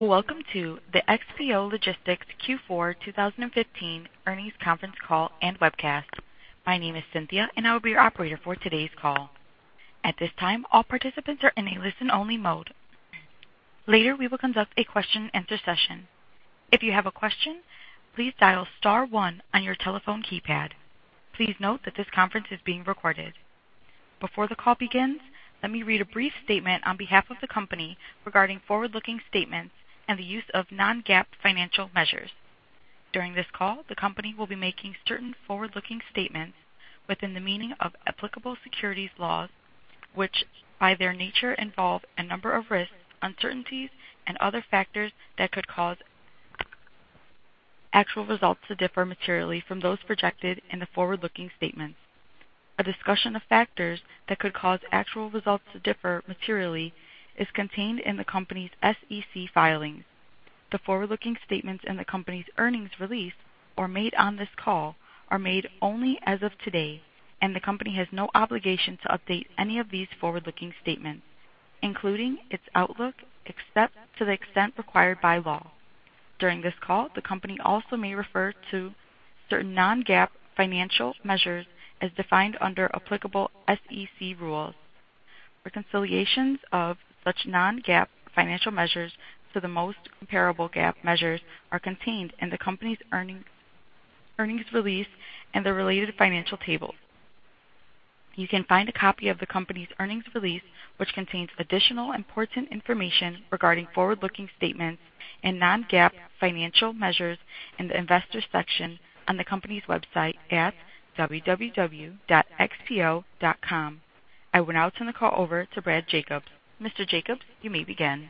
Welcome to the XPO Logistics Q4 2015 Earnings Conference Call and Webcast. My name is Cynthia, and I will be your operator for today's call. At this time, all participants are in a listen-only mode. Later, we will conduct a question-and-answer session. If you have a question, please dial star one on your telephone keypad. Please note that this conference is being recorded. Before the call begins, let me read a brief statement on behalf of the company regarding forward-looking statements and the use of non-GAAP financial measures. During this call, the company will be making certain forward-looking statements within the meaning of applicable securities laws, which, by their nature, involve a number of risks, uncertainties, and other factors that could cause actual results to differ materially from those projected in the forward-looking statements. A discussion of factors that could cause actual results to differ materially is contained in the company's SEC filings. The forward-looking statements in the company's earnings release or made on this call are made only as of today, and the company has no obligation to update any of these forward-looking statements, including its outlook, except to the extent required by law. During this call, the company also may refer to certain non-GAAP financial measures as defined under applicable SEC rules. Reconciliations of such non-GAAP financial measures to the most comparable GAAP measures are contained in the company's earnings, earnings release and the related financial tables. You can find a copy of the company's earnings release, which contains additional important information regarding forward-looking statements and non-GAAP financial measures in the Investors section on the company's website at www.xpo.com. I will now turn the call over to Brad Jacobs. Mr. Jacobs, you may begin.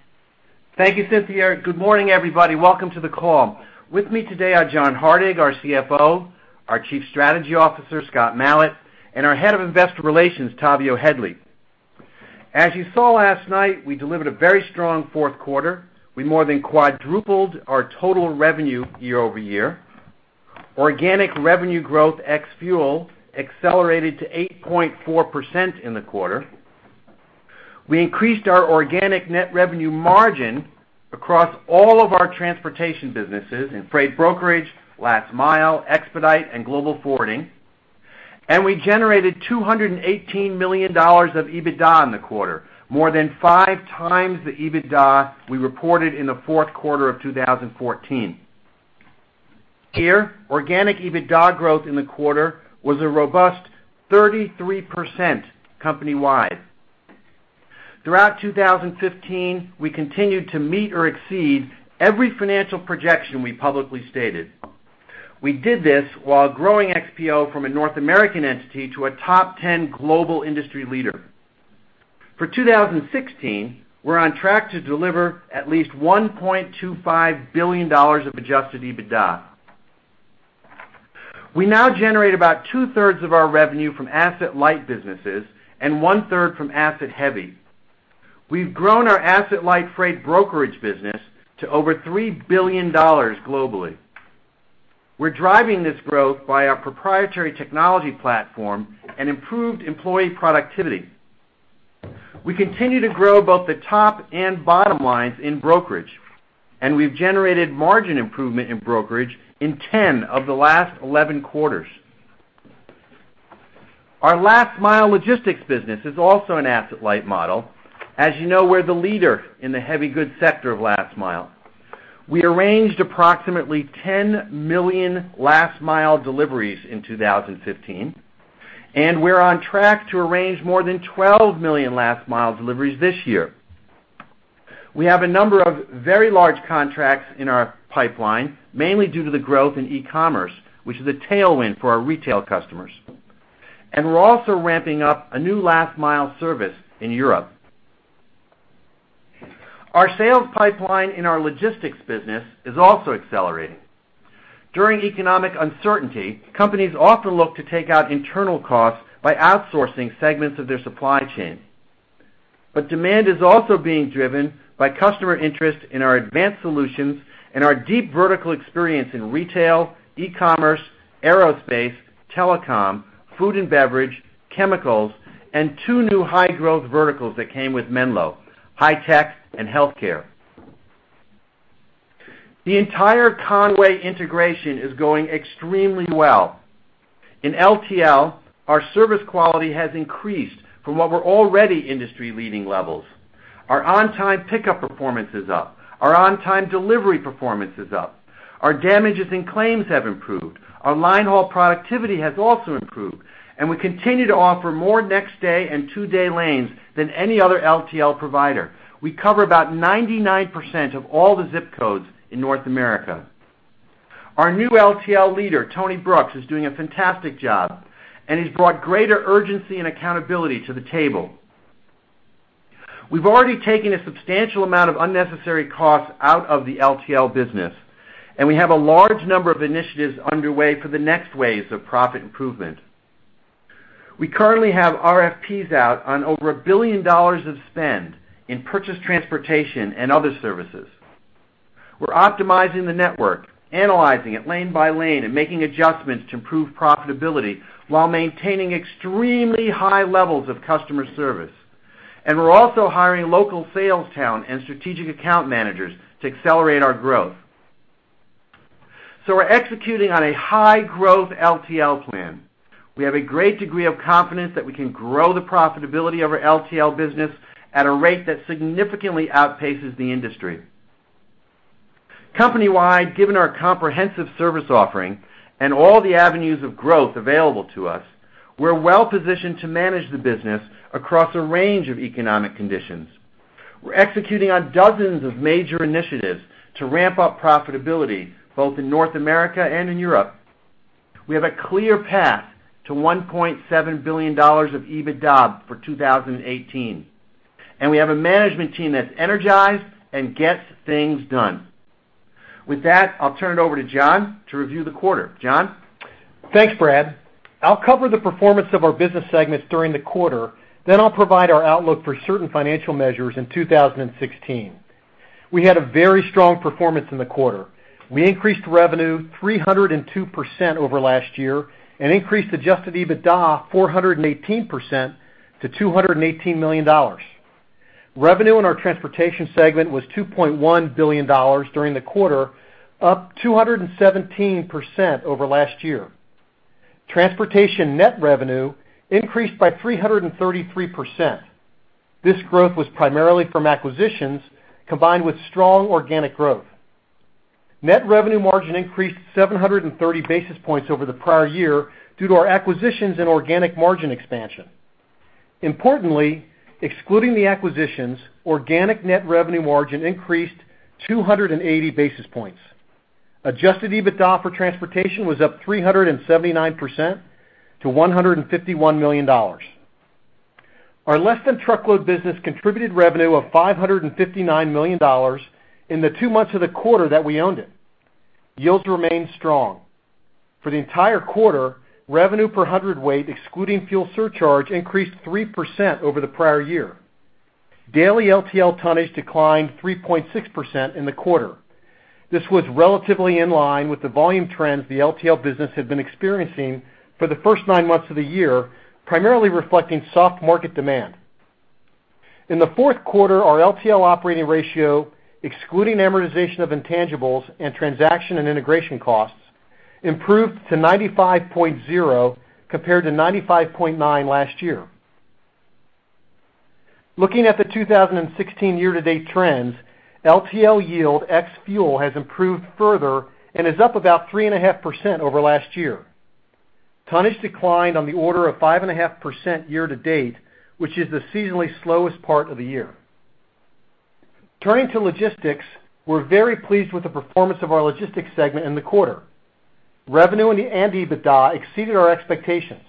Thank you, Cynthia. Good morning, everybody. Welcome to the call. With me today are John Hardig, our CFO, our Chief Strategy Officer, Scott Malat, and our Head of Investor Relations, Tavio Headley. As you saw last night, we delivered a very strong fourth quarter. We more than quadrupled our total revenue year-over-year. Organic revenue growth ex-fuel accelerated to 8.4% in the quarter. We increased our organic net revenue margin across all of our transportation businesses in freight brokerage, last mile, expedite, and global forwarding. And we generated $218 million of EBITDA in the quarter, more than 5 times the EBITDA we reported in the fourth quarter of 2014. Here, organic EBITDA growth in the quarter was a robust 33% company-wide. Throughout 2015, we continued to meet or exceed every financial projection we publicly stated. We did this while growing XPO from a North American entity to a top 10 global industry leader. For 2016, we're on track to deliver at least $1.25 billion of Adjusted EBITDA. We now generate about two-thirds of our revenue from asset-light businesses and one-third from asset-heavy. We've grown our asset-light freight brokerage business to over $3 billion globally. We're driving this growth by our proprietary technology platform and improved employee productivity. We continue to grow both the top and bottom lines in brokerage, and we've generated margin improvement in brokerage in 10 of the last 11 quarters. Our last mile logistics business is also an asset-light model. As you know, we're the leader in the heavy goods sector of last mile. We arranged approximately 10 million last mile deliveries in 2015, and we're on track to arrange more than 12 million last mile deliveries this year. We have a number of very large contracts in our pipeline, mainly due to the growth in e-commerce, which is a tailwind for our retail customers. We're also ramping up a new last mile service in Europe. Our sales pipeline in our logistics business is also accelerating. During economic uncertainty, companies often look to take out internal costs by outsourcing segments of their supply chain. Demand is also being driven by customer interest in our advanced solutions and our deep vertical experience in retail, e-commerce, aerospace, telecom, food and beverage, chemicals, and 2 new high-growth verticals that came with Menlo, high tech and healthcare. The entire Con-way integration is going extremely well. In LTL, our service quality has increased from what were already industry-leading levels. Our on-time pickup performance is up, our on-time delivery performance is up, our damages and claims have improved, our line haul productivity has also improved, and we continue to offer more next-day and two-day lanes than any other LTL provider. We cover about 99% of all the zip codes in North America. Our new LTL leader, Tony Brooks, is doing a fantastic job, and he's brought greater urgency and accountability to the table. We've already taken a substantial amount of unnecessary costs out of the LTL business, and we have a large number of initiatives underway for the next waves of profit improvement. We currently have RFPs out on over $1 billion of spend in purchased transportation, and other services. We're optimizing the network, analyzing it lane by lane, and making adjustments to improve profitability while maintaining extremely high levels of customer service. And we're also hiring local sales talent and strategic account managers to accelerate our growth. So we're executing on a high-growth LTL plan. We have a great degree of confidence that we can grow the profitability of our LTL business at a rate that significantly outpaces the industry. Company-wide, given our comprehensive service offering and all the avenues of growth available to us, we're well-positioned to manage the business across a range of economic conditions. We're executing on dozens of major initiatives to ramp up profitability, both in North America and in Europe. We have a clear path to $1.7 billion of EBITDA for 2018, and we have a management team that's energized and gets things done. With that, I'll turn it over to John to review the quarter. John? Thanks, Brad. I'll cover the performance of our business segments during the quarter, then I'll provide our outlook for certain financial measures in 2016. We had a very strong performance in the quarter. We increased revenue 302% over last year and increased Adjusted EBITDA 418% to $218 million. Revenue in our transportation segment was $2.1 billion during the quarter, up 217% over last year. Transportation net revenue increased by 333%. This growth was primarily from acquisitions, combined with strong organic growth. Net revenue margin increased 730 basis points over the prior year due to our acquisitions and organic margin expansion. Importantly, excluding the acquisitions, organic net revenue margin increased 280 basis points. Adjusted EBITDA for transportation was up 379% to $151 million. Our less-than-truckload business contributed revenue of $559 million in the two months of the quarter that we owned it. Yields remained strong. For the entire quarter, revenue per hundredweight, excluding fuel surcharge, increased 3% over the prior year. Daily LTL tonnage declined 3.6% in the quarter. This was relatively in line with the volume trends the LTL business had been experiencing for the first nine months of the year, primarily reflecting soft market demand. In the fourth quarter, our LTL operating ratio, excluding amortization of intangibles and transaction and integration costs, improved to 95.0, compared to 95.9 last year. Looking at the 2016 year-to-date trends, LTL yield ex fuel has improved further and is up about 3.5% over last year. Tonnage declined on the order of 5.5% year-to-date, which is the seasonally slowest part of the year. Turning to logistics, we're very pleased with the performance of our logistics segment in the quarter. Revenue and EBITDA exceeded our expectations.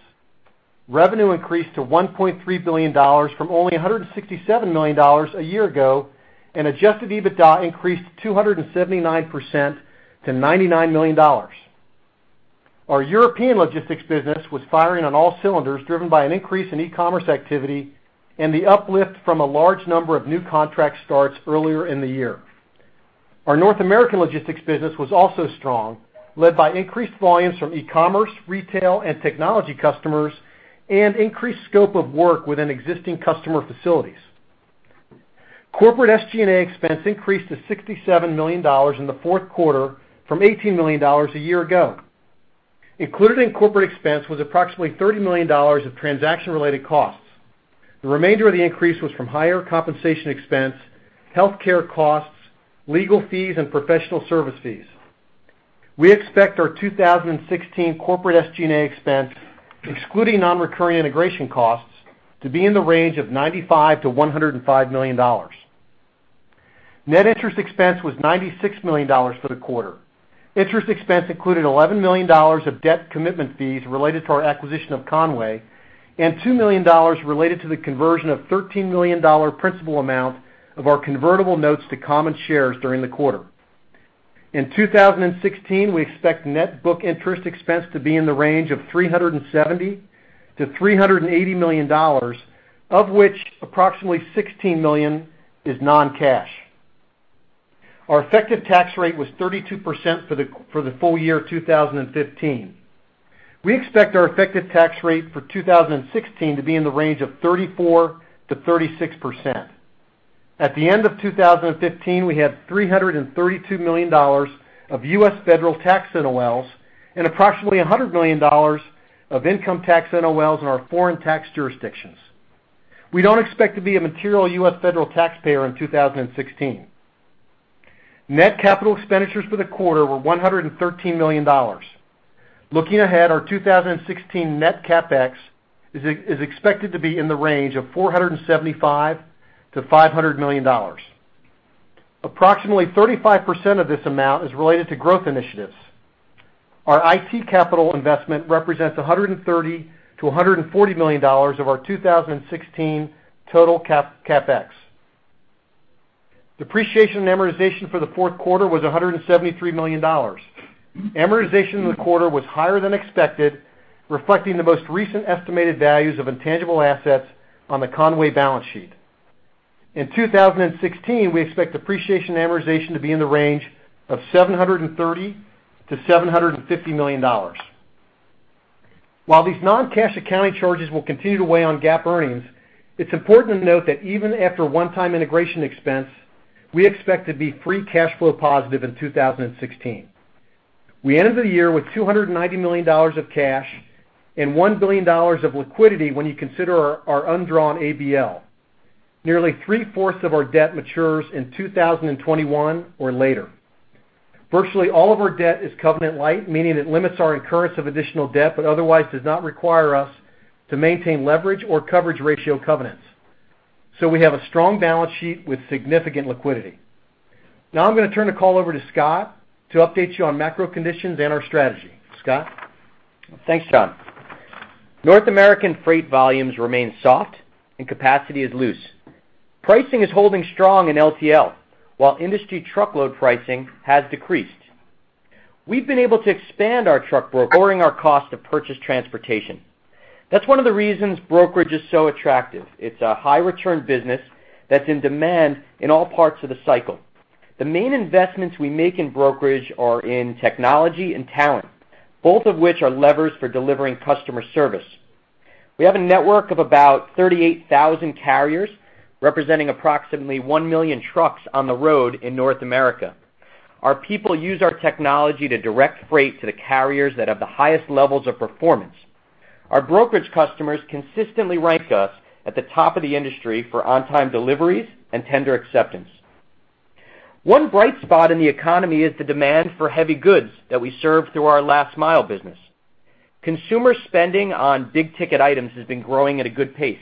Revenue increased to $1.3 billion from only $167 million a year ago, and adjusted EBITDA increased 279% to $99 million. Our European logistics business was firing on all cylinders, driven by an increase in e-commerce activity and the uplift from a large number of new contract starts earlier in the year. Our North American logistics business was also strong, led by increased volumes from e-commerce, retail, and technology customers, and increased scope of work within existing customer facilities. Corporate SG&A expense increased to $67 million in the fourth quarter from $18 million a year ago. Included in corporate expense was approximately $30 million of transaction-related costs. The remainder of the increase was from higher compensation expense, healthcare costs, legal fees, and professional service fees. We expect our 2016 corporate SG&A expense, excluding non-recurring integration costs, to be in the range of $95 million-$105 million. Net interest expense was $96 million for the quarter. Interest expense included $11 million of debt commitment fees related to our acquisition of Con-way and $2 million related to the conversion of $13 million principal amount of our convertible notes to common shares during the quarter. In 2016, we expect net book interest expense to be in the range of $370 million-$380 million, of which approximately $16 million is non-cash. Our effective tax rate was 32% for the full year 2015. We expect our effective tax rate for 2016 to be in the range of 34%-36%. At the end of 2015, we had $332 million of U.S. federal tax NOLs and approximately $100 million of income tax NOLs in our foreign tax jurisdictions. We don't expect to be a material U.S. federal taxpayer in 2016. Net capital expenditures for the quarter were $113 million. Looking ahead, our 2016 net CapEx is expected to be in the range of $475 million-$500 million. Approximately 35% of this amount is related to growth initiatives. Our IT capital investment represents $130 million-$140 million of our 2016 total CapEx. Depreciation and amortization for the fourth quarter was $173 million. Amortization in the quarter was higher than expected, reflecting the most recent estimated values of intangible assets on the Con-way balance sheet. In 2016, we expect depreciation and amortization to be in the range of $730 million-$750 million. While these non-cash accounting charges will continue to weigh on GAAP earnings, it's important to note that even after a one-time integration expense, we expect to be free cash flow positive in 2016. We ended the year with $290 million of cash and $1 billion of liquidity when you consider our undrawn ABL. Nearly three-fourths of our debt matures in 2021 or later. Virtually all of our debt is covenant-lite, meaning it limits our incurrence of additional debt, but otherwise does not require us to maintain leverage or coverage ratio covenants. So we have a strong balance sheet with significant liquidity. Now I'm going to turn the call over to Scott to update you on macro conditions and our strategy. Scott? Thanks, John. North American freight volumes remain soft and capacity is loose. Pricing is holding strong in LTL, while industry truckload pricing has decreased. We've been able to expand our truck brokerage, lowering our cost of purchased transportation. That's one of the reasons brokerage is so attractive. It's a high-return business that's in demand in all parts of the cycle. The main investments we make in brokerage are in technology and talent, both of which are levers for delivering customer service. We have a network of about 38,000 carriers, representing approximately 1 million trucks on the road in North America. Our people use our technology to direct freight to the carriers that have the highest levels of performance. Our brokerage customers consistently rank us at the top of the industry for on-time deliveries and tender acceptance. One bright spot in the economy is the demand for heavy goods that we serve through our last mile business. Consumer spending on big-ticket items has been growing at a good pace.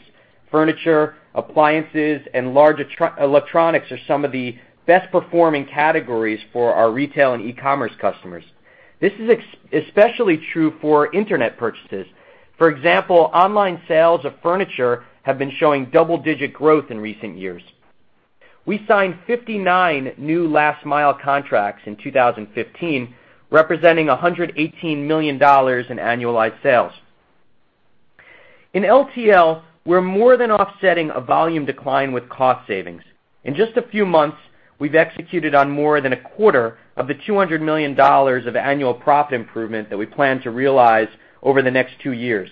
Furniture, appliances, and large electronics are some of the best-performing categories for our retail and e-commerce customers. This is especially true for internet purchases. For example, online sales of furniture have been showing double-digit growth in recent years. We signed 59 new last mile contracts in 2015, representing $118 million in annualized sales. In LTL, we're more than offsetting a volume decline with cost savings. In just a few months, we've executed on more than a quarter of the $200 million of annual profit improvement that we plan to realize over the next two years.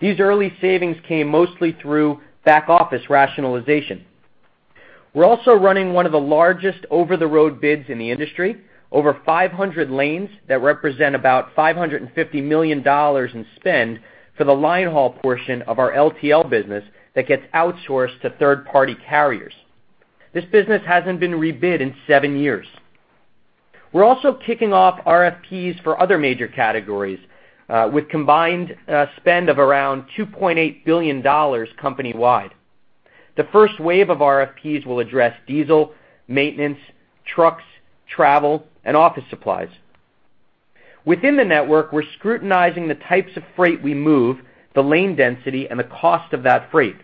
These early savings came mostly through back office rationalization. We're also running one of the largest over-the-road bids in the industry, over 500 lanes that represent about $550 million in spend for the line haul portion of our LTL business that gets outsourced to third-party carriers. This business hasn't been rebid in 7 years. We're also kicking off RFPs for other major categories with combined spend of around $2.8 billion company-wide. The first wave of RFPs will address diesel, maintenance, trucks, travel, and office supplies. Within the network, we're scrutinizing the types of freight we move, the lane density, and the cost of that freight.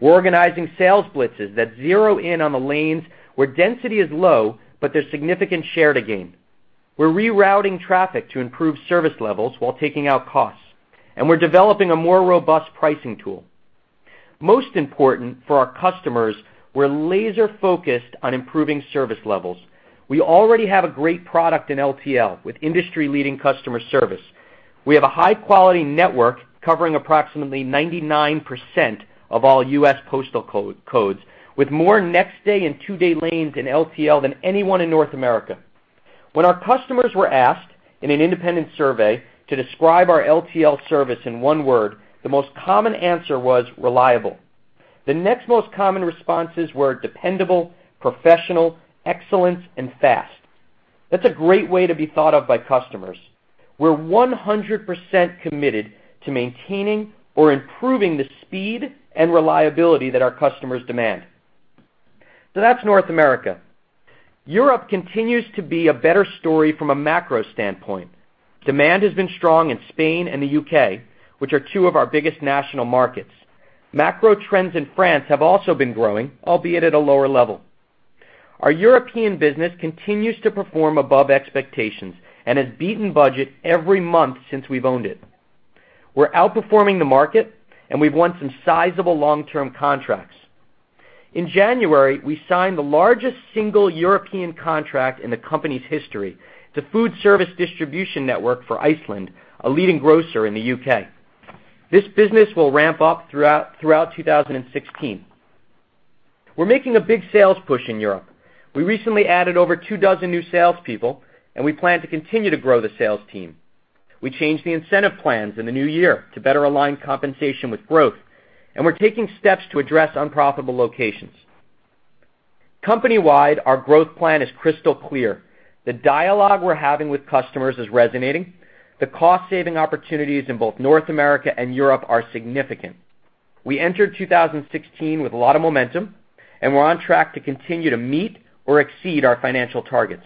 We're organizing sales blitzes that zero in on the lanes where density is low, but there's significant share to gain. We're rerouting traffic to improve service levels while taking out costs, and we're developing a more robust pricing tool. Most important for our customers, we're laser-focused on improving service levels. We already have a great product in LTL, with industry-leading customer service. We have a high-quality network covering approximately 99% of all U.S. postal codes, with more next-day and two-day lanes in LTL than anyone in North America. When our customers were asked in an independent survey to describe our LTL service in one word, the most common answer was reliable. The next most common responses were dependable, professional, excellence, and fast. That's a great way to be thought of by customers. We're 100% committed to maintaining or improving the speed and reliability that our customers demand. So that's North America. Europe continues to be a better story from a macro standpoint. Demand has been strong in Spain and the U.K., which are two of our biggest national markets. Macro trends in France have also been growing, albeit at a lower level. Our European business continues to perform above expectations and has beaten budget every month since we've owned it. We're outperforming the market, and we've won some sizable long-term contracts. In January, we signed the largest single European contract in the company's history, the food service distribution network for Iceland, a leading grocer in the UK. This business will ramp up throughout 2016. We're making a big sales push in Europe. We recently added over 24 new salespeople, and we plan to continue to grow the sales team. We changed the incentive plans in the new year to better align compensation with growth, and we're taking steps to address unprofitable locations. Company-wide, our growth plan is crystal clear. The dialogue we're having with customers is resonating. The cost-saving opportunities in both North America and Europe are significant. We entered 2016 with a lot of momentum, and we're on track to continue to meet or exceed our financial targets.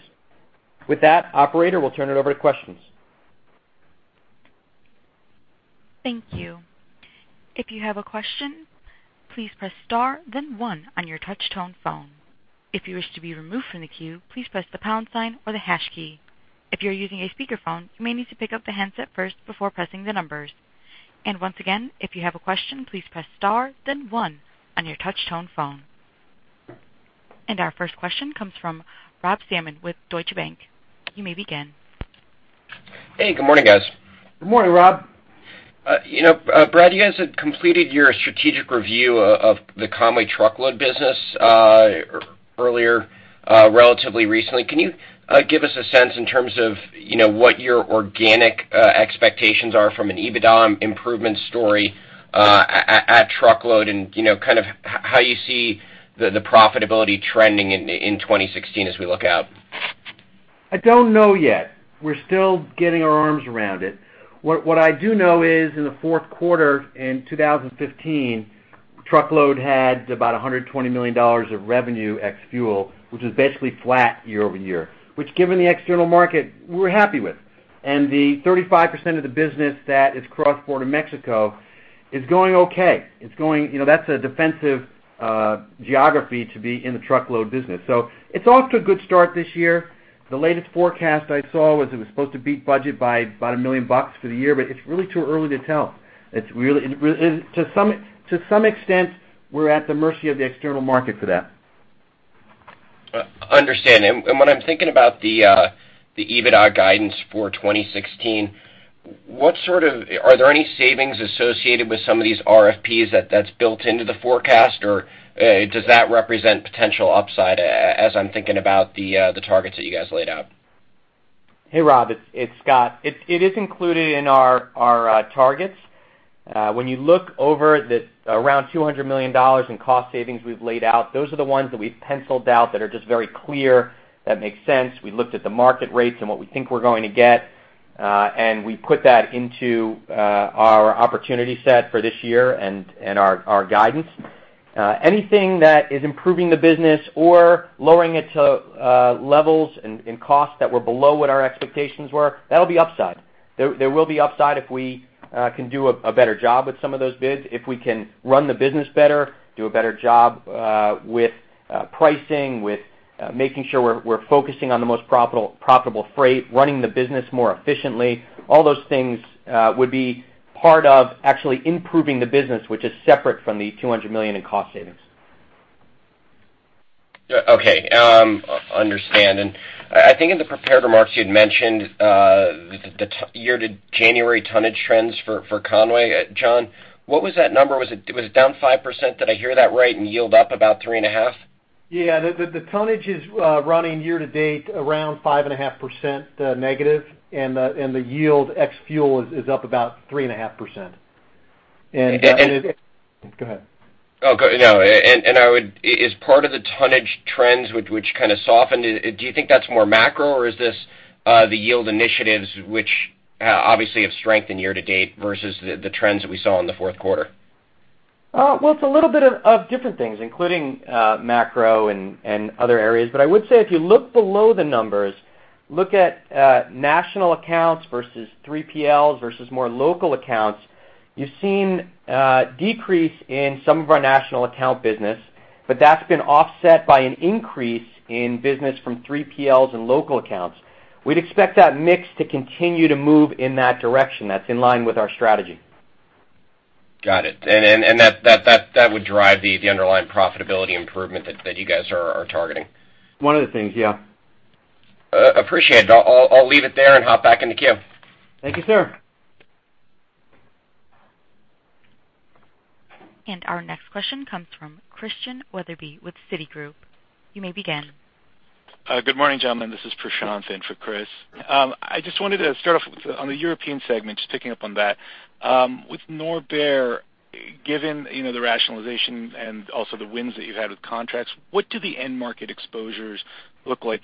With that, operator, we'll turn it over to questions. Thank you. If you have a question, please press star then one on your touchtone phone. If you wish to be removed from the queue, please press the pound sign or the hash key. If you're using a speakerphone, you may need to pick up the handset first before pressing the numbers. And once again, if you have a question, please press star, then one on your touchtone phone. And our first question comes from Rob Salmon with Deutsche Bank. You may begin. Hey, good morning, guys. Good morning, Rob. You know, Brad, you guys had completed your strategic review of the Con-way truckload business earlier, relatively recently. Can you give us a sense in terms of, you know, what your organic expectations are from an EBITDA improvement story at truckload, and, you know, kind of how you see the profitability trending in 2016 as we look out? I don't know yet. We're still getting our arms around it. What, what I do know is in the fourth quarter in 2015, truckload had about $120 million of revenue ex fuel, which is basically flat year-over-year, which given the external market, we're happy with. The 35% of the business that is cross-border Mexico is going okay. It's going... You know, that's a defensive geography to be in the truckload business. So it's off to a good start this year. The latest forecast I saw was it was supposed to beat budget by about $1 million for the year, but it's really too early to tell. It's really, and to some, to some extent, we're at the mercy of the external market for that. Understand. And when I'm thinking about the EBITDA guidance for 2016, what are there any savings associated with some of these RFPs that that's built into the forecast, or does that represent potential upside as I'm thinking about the targets that you guys laid out? Hey, Rob, it's Scott. It is included in our targets. When you look over the around $200 million in cost savings we've laid out, those are the ones that we've penciled out that are just very clear, that make sense. We looked at the market rates and what we think we're going to get, and we put that into our opportunity set for this year and our guidance. Anything that is improving the business or lowering it to levels and costs that were below what our expectations were, that'll be upside. There will be upside if we can do a better job with some of those bids, if we can run the business better, do a better job with pricing, with making sure we're focusing on the most profitable freight, running the business more efficiently. All those things would be part of actually improving the business, which is separate from the $200 million in cost savings. Okay, understand. And I think in the prepared remarks, you'd mentioned the year-to-January tonnage trends for Con-way. John, what was that number? Was it down 5%? Did I hear that right, and yield up about 3.5%? Yeah, the tonnage is running year to date around 5.5% negative, and the yield ex fuel is up about 3.5%. And, go ahead. Oh, good. No, and I would... is part of the tonnage trends which kind of softened. Do you think that's more macro, or is this the yield initiatives which obviously have strengthened year to date versus the trends that we saw in the fourth quarter? Well, it's a little bit of different things, including macro and other areas. But I would say if you look below the numbers, look at national accounts versus 3PLs versus more local accounts, you've seen decrease in some of our national account business, but that's been offset by an increase in business from 3PLs and local accounts. We'd expect that mix to continue to move in that direction. That's in line with our strategy. Got it. And that would drive the underlying profitability improvement that you guys are targeting. One of the things, yeah. Appreciate it. I'll leave it there and hop back in the queue. Thank you, sir. Our next question comes from Christian Wetherbee with Citigroup. You may begin. Good morning, gentlemen. This is Prashant in for Chris. I just wanted to start off with, on the European segment, just picking up on that. With Norbert, given, you know, the rationalization and also the wins that you've had with contracts, what do the end market exposures look like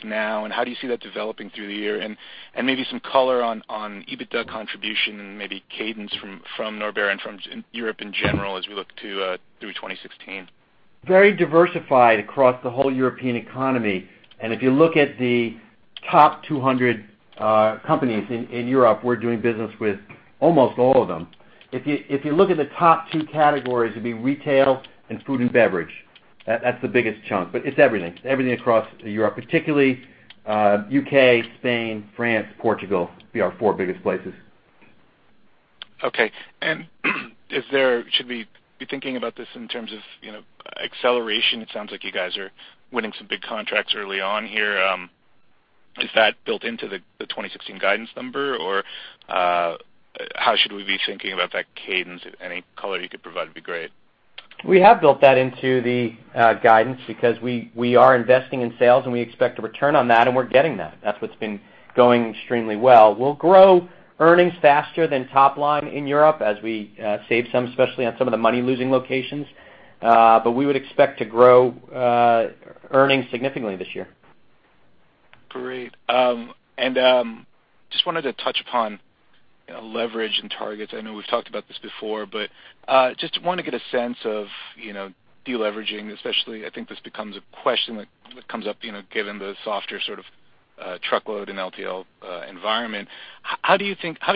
now, and how do you see that developing through the year? And, and maybe some color on, on EBITDA contribution and maybe cadence from, from Norbert and from Europe in general, as we look to through 2016. Very diversified across the whole European economy, and if you look at the top 200, uh, companies in, in Europe, we're doing business with almost all of them. If you, if you look at the top two categories, it'd be retail and food and beverage. That's the biggest chunk, but it's everything. Everything across Europe, particularly, uh, UK, Spain, France, Portugal, would be our four biggest places. Okay. And should we be thinking about this in terms of, you know, acceleration? It sounds like you guys are winning some big contracts early on here. Is that built into the 2016 guidance number, or, how should we be thinking about that cadence? Any color you could provide would be great. We have built that into the guidance because we are investing in sales, and we expect a return on that, and we're getting that. That's what's been going extremely well. We'll grow earnings faster than top line in Europe as we save some, especially on some of the money-losing locations, but we would expect to grow earnings significantly this year. Great. Just wanted to touch upon leverage and targets. I know we've talked about this before, but just want to get a sense of, you know, deleveraging especially. I think this becomes a question that comes up, you know, given the softer sort of truckload and LTL environment. How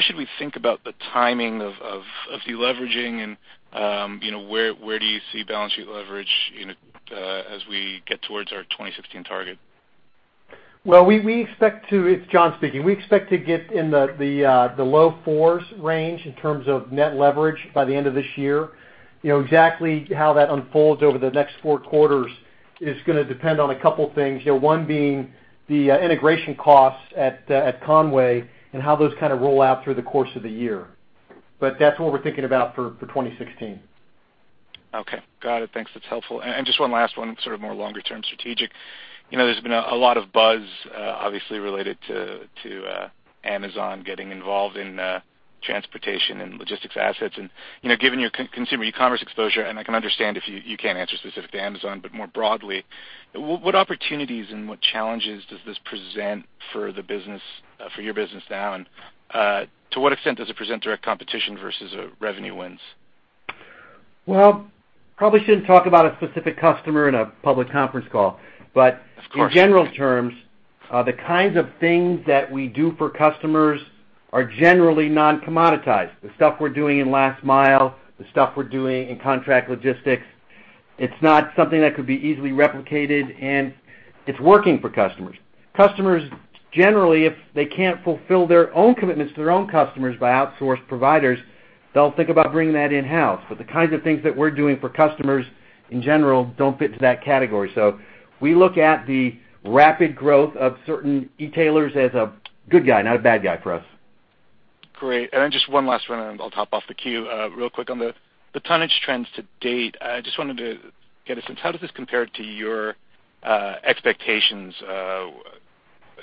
should we think about the timing of deleveraging? And you know, where do you see balance sheet leverage as we get towards our 2016 target? Well, we expect to... It's John speaking. We expect to get in the low 4s range in terms of net leverage by the end of this year. You know, exactly how that unfolds over the next 4 quarters is gonna depend on a couple things. You know, one being the integration costs at Con-way and how those kind of roll out through the course of the year. But that's what we're thinking about for 2016. Okay. Got it. Thanks. That's helpful. And just one last one, sort of more longer term strategic. You know, there's been a lot of buzz, obviously, related to Amazon getting involved in transportation and logistics assets. And, you know, given your consumer e-commerce exposure, and I can understand if you can't answer specific to Amazon, but more broadly, what opportunities and what challenges does this present for the business, for your business now? And to what extent does it present direct competition versus revenue wins? Well, probably shouldn't talk about a specific customer in a public conference call. Of course. But in general terms, the kinds of things that we do for customers are generally non-commoditized. The stuff we're doing in last mile, the stuff we're doing in contract logistics, it's not something that could be easily replicated, and it's working for customers. Customers, generally, if they can't fulfill their own commitments to their own customers by outsourced providers, they'll think about bringing that in-house. But the kinds of things that we're doing for customers, in general, don't fit into that category. So we look at the rapid growth of certain e-tailers as a good guy, not a bad guy for us. Great. And then just one last one, and I'll top off the queue. Real quick on the tonnage trends to date. I just wanted to get a sense, how does this compare to your expectations,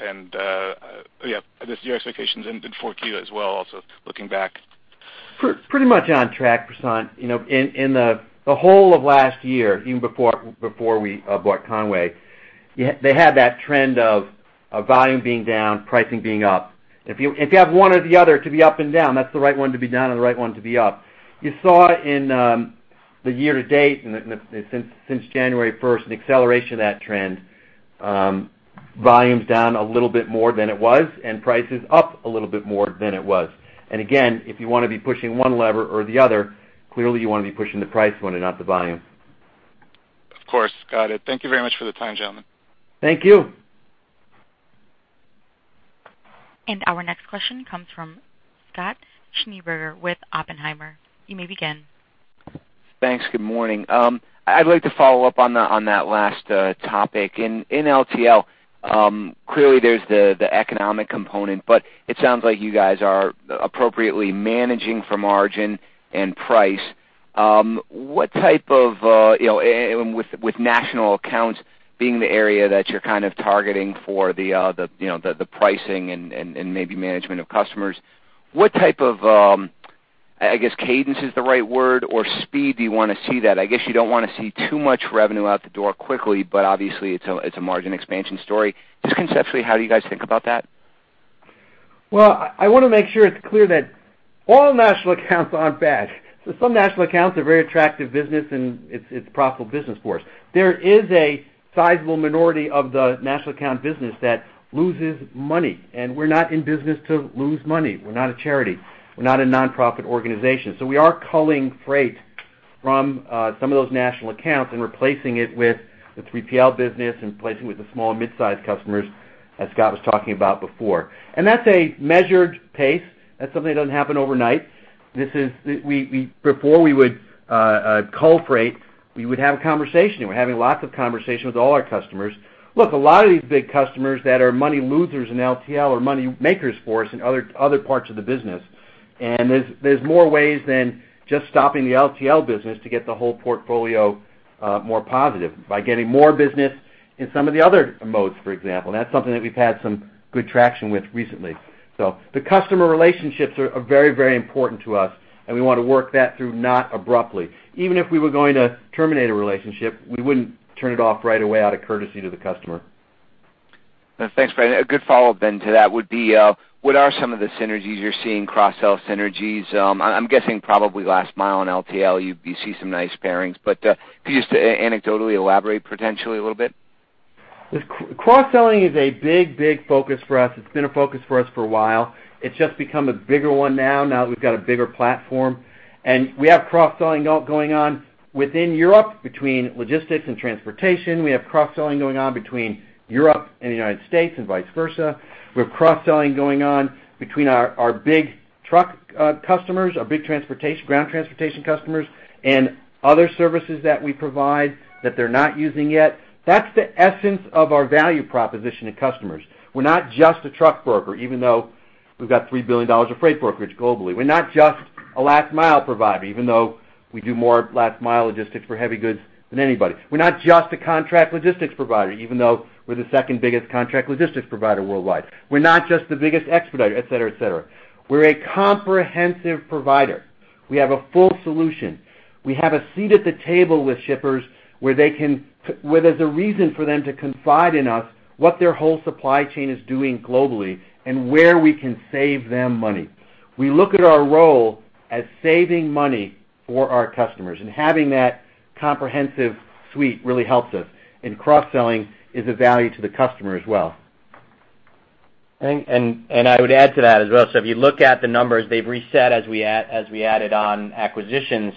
and yeah, I guess, your expectations in 4Q as well, also looking back? Pretty much on track, Prashant. You know, in the whole of last year, even before we bought Con-way, you, they had that trend of volume being down, pricing being up. If you have one or the other to be up and down, that's the right one to be down and the right one to be up. You saw in the year to date, and since January first, an acceleration of that trend. Volumes down a little bit more than it was, and prices up a little bit more than it was. And again, if you want to be pushing one lever or the other, clearly you want to be pushing the price one and not the volume. Of course. Got it. Thank you very much for the time, gentlemen. Thank you. Our next question comes from Scott Schneeberger with Oppenheimer. You may begin. Thanks. Good morning. I'd like to follow up on that last topic. In LTL, clearly, there's the economic component, but it sounds like you guys are appropriately managing for margin and price. What type of, you know, and with national accounts being the area that you're kind of targeting for the, you know, the pricing and maybe management of customers, what type of, I guess cadence is the right word, or speed do you want to see that? I guess you don't want to see too much revenue out the door quickly, but obviously, it's a margin expansion story. Just conceptually, how do you guys think about that? Well, I want to make sure it's clear that all national accounts aren't bad. So some national accounts are very attractive business, and it's, it's profitable business for us. There is a sizable minority of the national account business that loses money, and we're not in business to lose money. We're not a charity. We're not a nonprofit organization. So we are culling freight from some of those national accounts and replacing it with the 3PL business and replacing with the small and mid-sized customers, as Scott was talking about before. And that's a measured pace. That's something that doesn't happen overnight. This is - we - before we would cull freight, we would have a conversation, and we're having lots of conversations with all our customers. Look, a lot of these big customers that are money losers in LTL are money makers for us in other parts of the business. And there's more ways than just stopping the LTL business to get the whole portfolio more positive by getting more business in some of the other modes, for example. That's something that we've had some good traction with recently. So the customer relationships are very, very important to us, and we want to work that through, not abruptly. Even if we were going to terminate a relationship, we wouldn't turn it off right away out of courtesy to the customer. Thanks, Brad. A good follow-up then to that would be what are some of the synergies you're seeing, cross-sell synergies? I'm guessing probably last mile on LTL, you see some nice pairings, but could you just anecdotally elaborate potentially a little bit? The cross-selling is a big, big focus for us. It's been a focus for us for a while. It's just become a bigger one now, now that we've got a bigger platform. And we have cross-selling going on within Europe, between logistics and transportation. We have cross-selling going on between Europe and the United States, and vice versa. We have cross-selling going on between our big truck customers, our big ground transportation customers, and other services that we provide that they're not using yet. That's the essence of our value proposition to customers. We're not just a truck broker, even though we've got $3 billion of freight brokerage globally. We're not just a last mile provider, even though we do more last mile logistics for heavy goods than anybody. We're not just a contract logistics provider, even though we're the second biggest contract logistics provider worldwide. We're not just the biggest expediter, et cetera, et cetera. We're a comprehensive provider. We have a full solution. We have a seat at the table with shippers where there's a reason for them to confide in us what their whole supply chain is doing globally and where we can save them money... We look at our role as saving money for our customers, and having that comprehensive suite really helps us, and cross-selling is of value to the customer as well. I would add to that as well. So if you look at the numbers, they've reset as we added on acquisitions,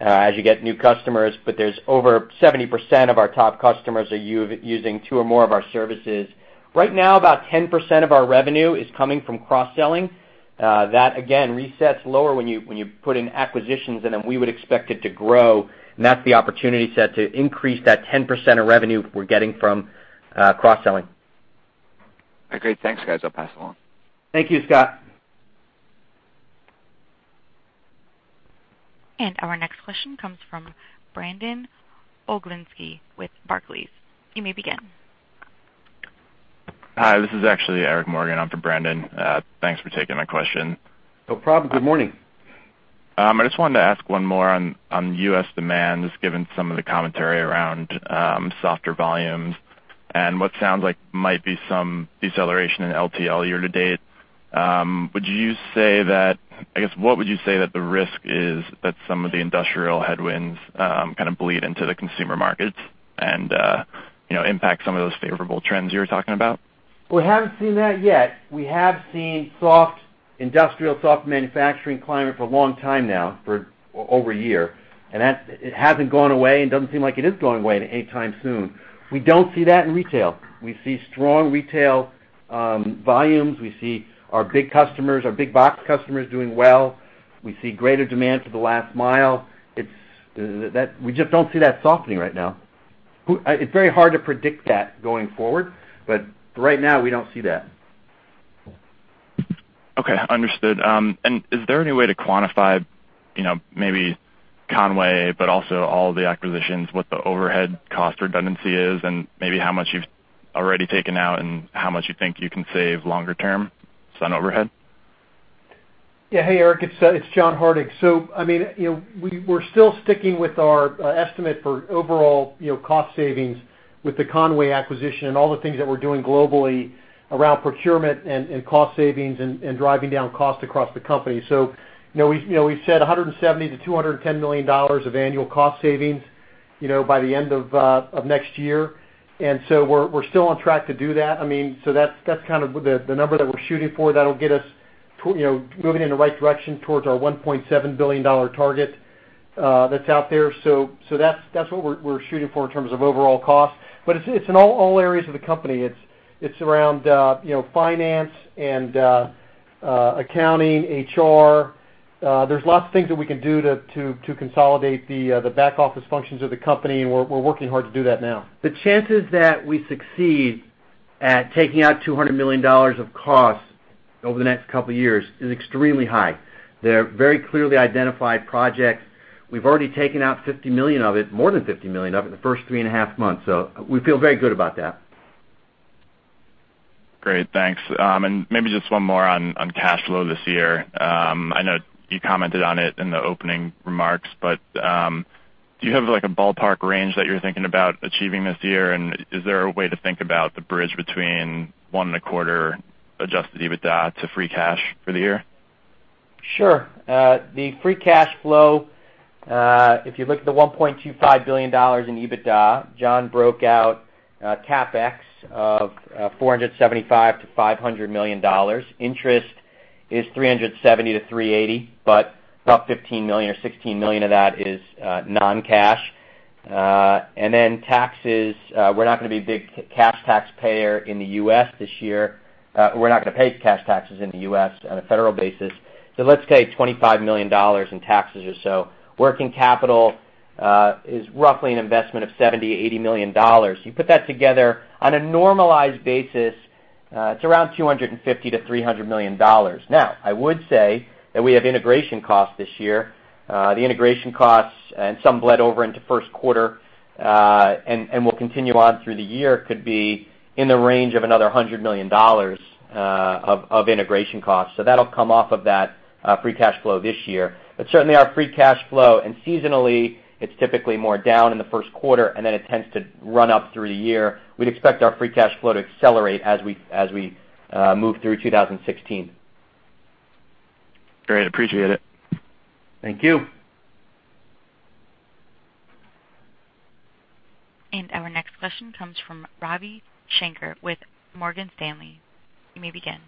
as you get new customers. But there's over 70% of our top customers are using two or more of our services. Right now, about 10% of our revenue is coming from cross-selling. That again, resets lower when you put in acquisitions, and then we would expect it to grow, and that's the opportunity set to increase that 10% of revenue we're getting from cross-selling. Okay, thanks, guys. I'll pass along. Thank you, Scott. Our next question comes from Brandon Oglenski with Barclays. You may begin. Hi, this is actually Eric Morgan. I'm for Brandon. Thanks for taking my question. No problem. Good morning. I just wanted to ask one more on U.S. demand, just given some of the commentary around softer volumes and what sounds like might be some deceleration in LTL year to date. Would you say that—I guess, what would you say that the risk is that some of the industrial headwinds kind of bleed into the consumer markets and you know, impact some of those favorable trends you were talking about? We haven't seen that yet. We have seen soft industrial, soft manufacturing climate for a long time now, for over a year, and that's it hasn't gone away and doesn't seem like it is going away anytime soon. We don't see that in retail. We see strong retail volumes. We see our big customers, our big box customers doing well. We see greater demand for the last mile. It's that. We just don't see that softening right now. It's very hard to predict that going forward, but right now, we don't see that. Okay, understood. Is there any way to quantify, you know, maybe Con-way, but also all the acquisitions, what the overhead cost redundancy is, and maybe how much you've already taken out and how much you think you can save longer term, just on overhead? Yeah. Hey, Eric, it's John Hardig. So, I mean, you know, we're still sticking with our estimate for overall, you know, cost savings with the Con-way acquisition and all the things that we're doing globally around procurement and cost savings and driving down costs across the company. So, you know, we've said $170 million-$210 million of annual cost savings, you know, by the end of next year. And so we're still on track to do that. I mean, so that's kind of the number that we're shooting for. That'll get us to, you know, moving in the right direction towards our $1.7 billion target that's out there. So, that's what we're shooting for in terms of overall cost. But it's in all areas of the company. It's around, you know, finance and accounting, HR. There's lots of things that we can do to consolidate the back office functions of the company, and we're working hard to do that now. The chances that we succeed at taking out $200 million of costs over the next couple of years is extremely high. They're very clearly identified projects. We've already taken out $50 million of it, more than $50 million of it, in the first 3.5 months, so we feel very good about that. Great, thanks. And maybe just one more on cash flow this year. I know you commented on it in the opening remarks, but do you have, like, a ballpark range that you're thinking about achieving this year? And is there a way to think about the bridge between Q1 Adjusted EBITDA to free cash for the year? Sure. The free cash flow, if you look at the $1.25 billion in EBITDA, John broke out CapEx of $475 million-$500 million. Interest is $370-$380 million, but about $15 million or $16 million of that is non-cash. And then taxes, we're not going to be a big cash taxpayer in the U.S. this year. We're not going to pay cash taxes in the U.S. on a federal basis, so let's say $25 million in taxes or so. Working capital is roughly an investment of $70-$80 million. You put that together on a normalized basis, it's around $250 million-$300 million. Now, I would say that we have integration costs this year. The integration costs and some bled over into first quarter, and will continue on through the year, could be in the range of another $100 million of integration costs. So that'll come off of that free cash flow this year. But certainly, our free cash flow, and seasonally, it's typically more down in the first quarter, and then it tends to run up through the year. We'd expect our free cash flow to accelerate as we move through 2016. Great. Appreciate it. Thank you. Our next question comes from Ravi Shanker with Morgan Stanley. You may begin.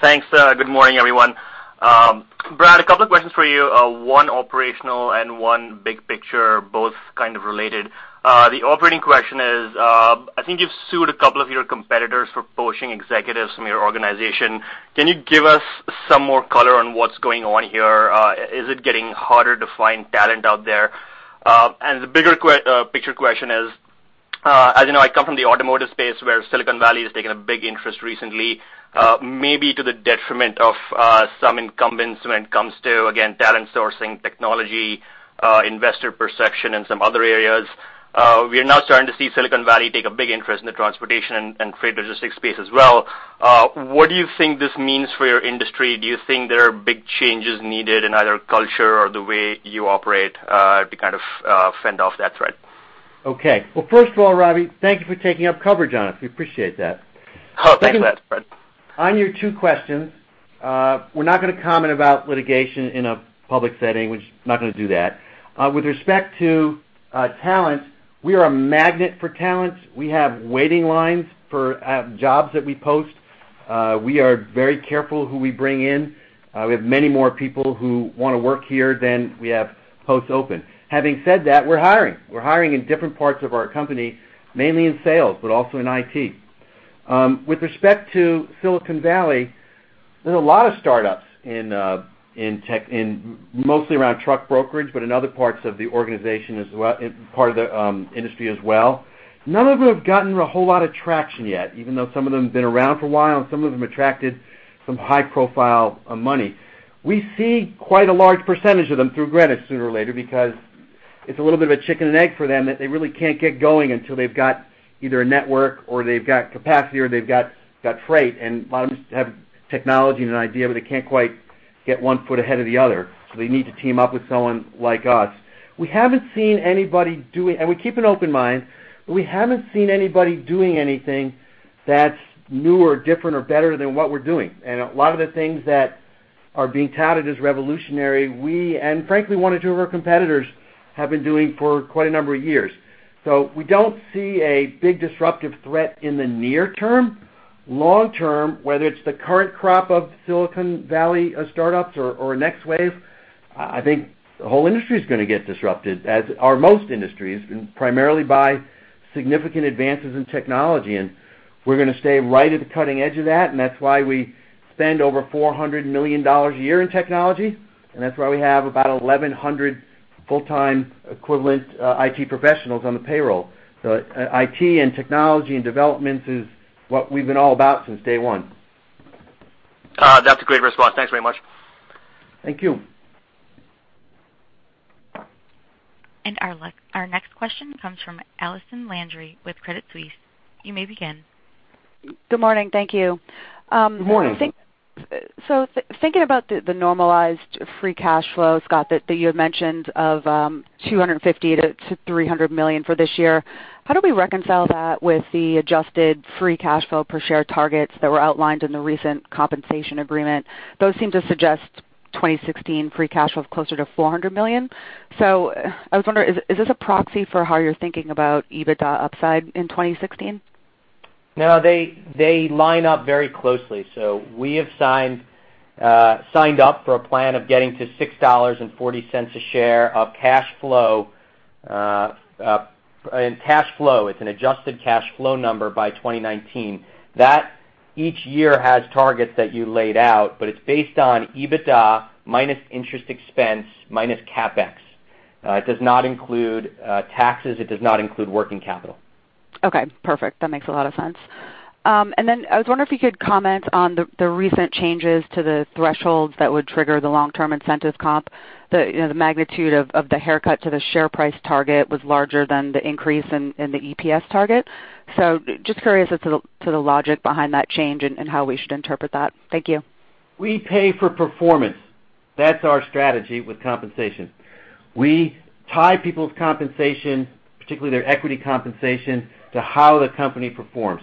Thanks. Good morning, everyone. Brad, a couple of questions for you, one operational and one big picture, both kind of related. The operating question is, I think you've sued a couple of your competitors for poaching executives from your organization. Can you give us some more color on what's going on here? Is it getting harder to find talent out there? And the bigger picture question is, as you know, I come from the automotive space, where Silicon Valley has taken a big interest recently, maybe to the detriment of some incumbents when it comes to, again, talent sourcing, technology, investor perception, and some other areas. We are now starting to see Silicon Valley take a big interest in the transportation and freight logistics space as well. What do you think this means for your industry? Do you think there are big changes needed in either culture or the way you operate, to kind of, fend off that threat? Okay. Well, first of all, Ravi, thank you for taking up coverage on us. We appreciate that. Oh, thank you, Brad. On your two questions, we're not going to comment about litigation in a public setting, which not going to do that. With respect to talent, we are a magnet for talent. We have waiting lines for jobs that we post. We are very careful who we bring in. We have many more people who want to work here than we have posts open. Having said that, we're hiring. We're hiring in different parts of our company, mainly in sales, but also in IT. With respect to Silicon Valley, there's a lot of startups in tech, mostly around truck brokerage, but in other parts of the organization as well, part of the industry as well. None of them have gotten a whole lot of traction yet, even though some of them have been around for a while, and some of them attracted some high-profile money. We see quite a large percentage of them through Greenwich sooner or later, because it's a little bit of a chicken and egg for them, that they really can't get going until they've got either a network or they've got capacity or they've got freight, and a lot of them just have technology and an idea, but they can't quite get one foot ahead of the other, so they need to team up with someone like us. We haven't seen anybody doing... We keep an open mind, but we haven't seen anybody doing anything that's new or different or better than what we're doing. A lot of the things that are being touted as revolutionary, we, and frankly, one or two of our competitors, have been doing for quite a number of years. So we don't see a big disruptive threat in the near term. Long term, whether it's the current crop of Silicon Valley startups or next wave, I, I think the whole industry is going to get disrupted, as are most industries, primarily by significant advances in technology, and we're going to stay right at the cutting edge of that. And that's why we spend over $400 million a year in technology, and that's why we have about 1,100 full-time equivalent IT professionals on the payroll. So IT and technology and development is what we've been all about since day one. That's a great response. Thanks very much. Thank you. And our next question comes from Allison Landry with Credit Suisse. You may begin. Good morning. Thank you. Good morning. So thinking about the normalized free cash flow, Scott, that you had mentioned of $250 million-$300 million for this year, how do we reconcile that with the adjusted free cash flow per share targets that were outlined in the recent compensation agreement? Those seem to suggest 2016 free cash flow of closer to $400 million. So I was wondering, is this a proxy for how you're thinking about EBITDA upside in 2016? No, they, they line up very closely. So we have signed, signed up for a plan of getting to $6.40 a share of cash flow, and cash flow. It's an adjusted cash flow number by 2019. That each year has targets that you laid out, but it's based on EBITDA minus interest expense minus CapEx. It does not include taxes, it does not include working capital. Okay, perfect. That makes a lot of sense. And then I was wondering if you could comment on the recent changes to the thresholds that would trigger the long-term incentives comp. You know, the magnitude of the haircut to the share price target was larger than the increase in the EPS target. So just curious as to the logic behind that change and how we should interpret that. Thank you. We pay for performance. That's our strategy with compensation. We tie people's compensation, particularly their equity compensation, to how the company performs.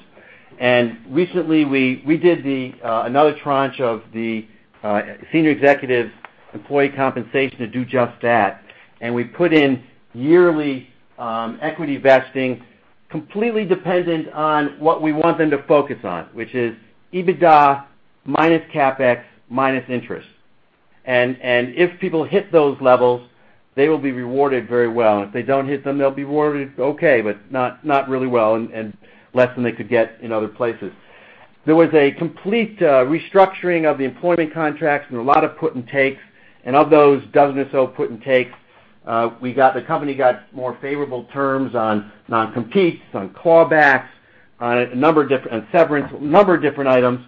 And recently, we did another tranche of the senior executive employee compensation to do just that. And we put in yearly equity vesting, completely dependent on what we want them to focus on, which is EBITDA minus CapEx, minus interest. And if people hit those levels, they will be rewarded very well. And if they don't hit them, they'll be rewarded okay, but not really well and less than they could get in other places. There was a complete restructuring of the employment contracts, and a lot of put and takes. Of those dozen or so put and takes, the company got more favorable terms on non-competes, on clawbacks, on a number of different, on severance, a number of different items.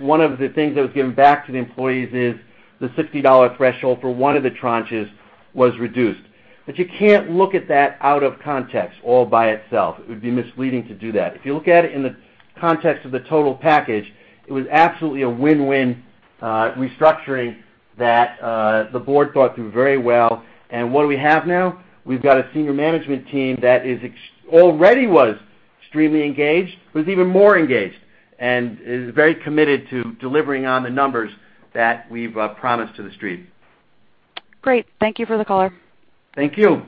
One of the things that was given back to the employees is the $60 threshold for one of the tranches was reduced. But you can't look at that out of context all by itself. It would be misleading to do that. If you look at it in the context of the total package, it was absolutely a win-win restructuring that the board thought through very well. What do we have now? We've got a senior management team that already was extremely engaged, was even more engaged, and is very committed to delivering on the numbers that we've promised to the street. Great. Thank you for the color. Thank you.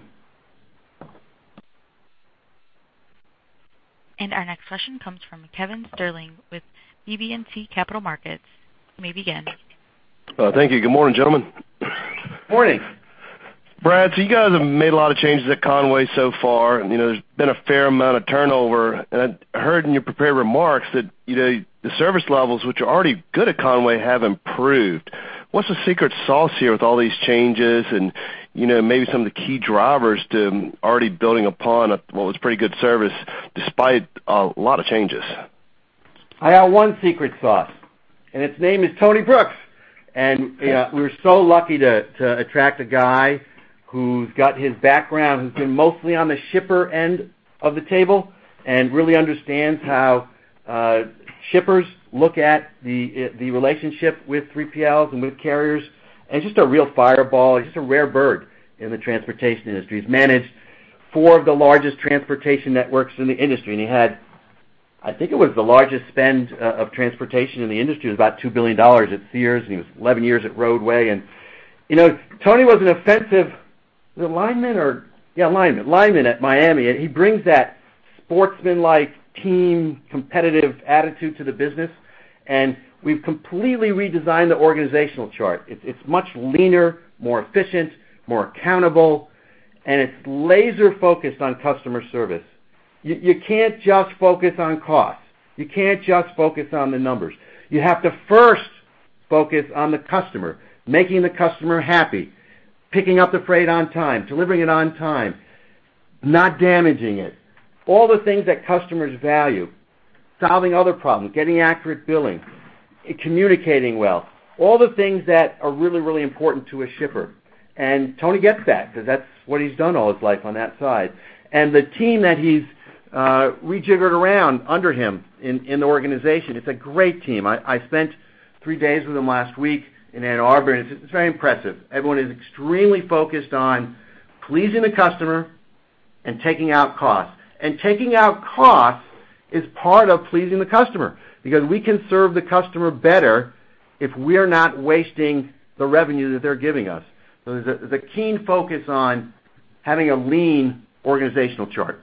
Our next question comes from Kevin Sterling with BB&T Capital Markets. You may begin. Thank you. Good morning, gentlemen. Morning! Brad, so you guys have made a lot of changes at Con-way so far, and you know, there's been a fair amount of turnover. I heard in your prepared remarks that, you know, the service levels, which are already good at Con-way, have improved. What's the secret sauce here with all these changes and, you know, maybe some of the key drivers to already building upon what was pretty good service despite a lot of changes? I have one secret sauce, and its name is Tony Brooks. We're so lucky to attract a guy who's got his background, who's been mostly on the shipper end of the table and really understands how shippers look at the relationship with 3PLs and with carriers, and just a real fireball, just a rare bird in the transportation industry. He's managed four of the largest transportation networks in the industry, and he had, I think it was the largest spend of transportation in the industry. It was about $2 billion at Sears, and he was 11 years at Roadway. You know, Tony was an offensive lineman at Miami. He brings that sportsmanlike team, competitive attitude to the business, and we've completely redesigned the organizational chart. It's much leaner, more efficient, more accountable, and it's laser-focused on customer service. You can't just focus on cost, you can't just focus on the numbers. You have to first focus on the customer, making the customer happy, picking up the freight on time, delivering it on time, not damaging it. All the things that customers value, solving other problems, getting accurate billing, communicating well, all the things that are really, really important to a shipper. And Tony gets that because that's what he's done all his life on that side. And the team that he's rejiggered around under him in the organization, it's a great team. I spent three days with him last week in Ann Arbor, and it's very impressive. Everyone is extremely focused on pleasing the customer and taking out costs. Taking out costs is part of pleasing the customer, because we can serve the customer better if we're not wasting the revenue that they're giving us. So there's a keen focus on having a lean organizational chart.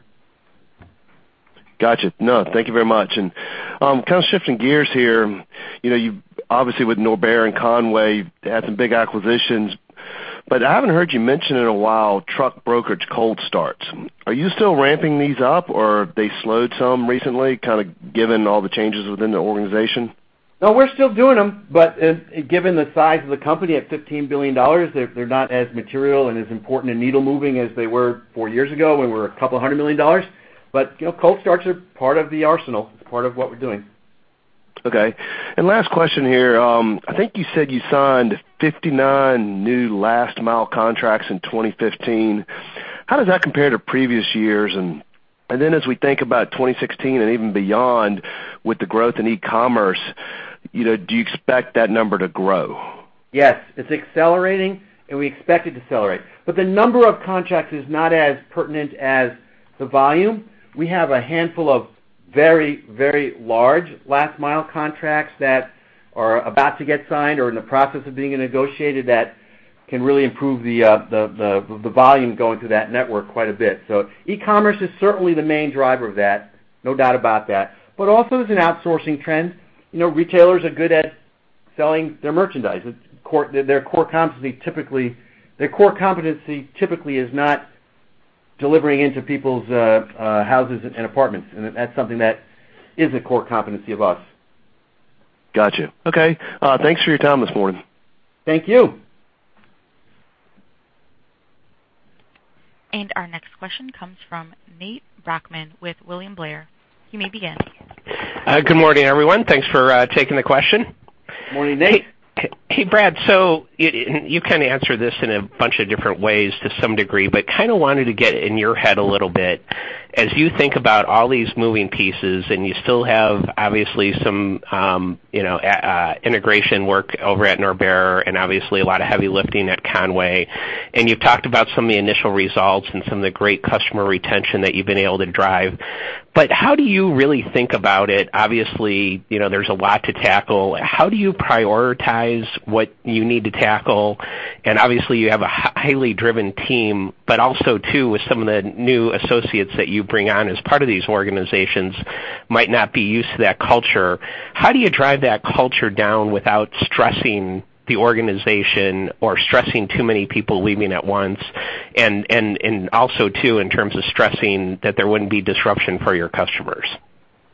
Got you. No, thank you very much. Kind of shifting gears here. You know, you obviously, with Norbert and Con-way, had some big acquisitions, but I haven't heard you mention in a while, truck brokerage cold starts. Are you still ramping these up, or they slowed some recently, kind of given all the changes within the organization? No, we're still doing them, but given the size of the company at $15 billion, they're not as material and as important and needle moving as they were four years ago, when we were a couple hundred million dollars. But, you know, cold starts are part of the arsenal; it's part of what we're doing. Okay, and last question here. I think you said you signed 59 new last mile contracts in 2015. How does that compare to previous years? And then as we think about 2016 and even beyond, with the growth in e-commerce, you know, do you expect that number to grow? Yes, it's accelerating, and we expect it to accelerate. But the number of contracts is not as pertinent as the volume. We have a handful of very, very large last mile contracts that are about to get signed or in the process of being negotiated, that can really improve the volume going through that network quite a bit. So e-commerce is certainly the main driver of that, no doubt about that, but also there's an outsourcing trend. You know, retailers are good at selling their merchandise. It's core—their core competency, typically, their core competency typically is not delivering into people's houses and apartments, and that's something that is a core competency of us. Got you. Okay, thanks for your time this morning. Thank you. Our next question comes from Nate Brochmann with William Blair. You may begin. Good morning, everyone. Thanks for taking the question. Morning, Nate. Hey, Brad, so you kind of answered this in a bunch of different ways to some degree, but kind of wanted to get in your head a little bit. As you think about all these moving pieces, and you still have obviously some, you know, integration work over at Norbert and obviously a lot of heavy lifting at Con-way, and you've talked about some of the initial results and some of the great customer retention that you've been able to drive. But how do you really think about it? Obviously, you know, there's a lot to tackle. How do you prioritize what you need to tackle? And obviously, you have a highly driven team, but also too, with some of the new associates that you bring on as part of these organizations might not be used to that culture. How do you drive that culture down without stressing the organization or stressing too many people leaving at once, and also, too, in terms of stressing that there wouldn't be disruption for your customers?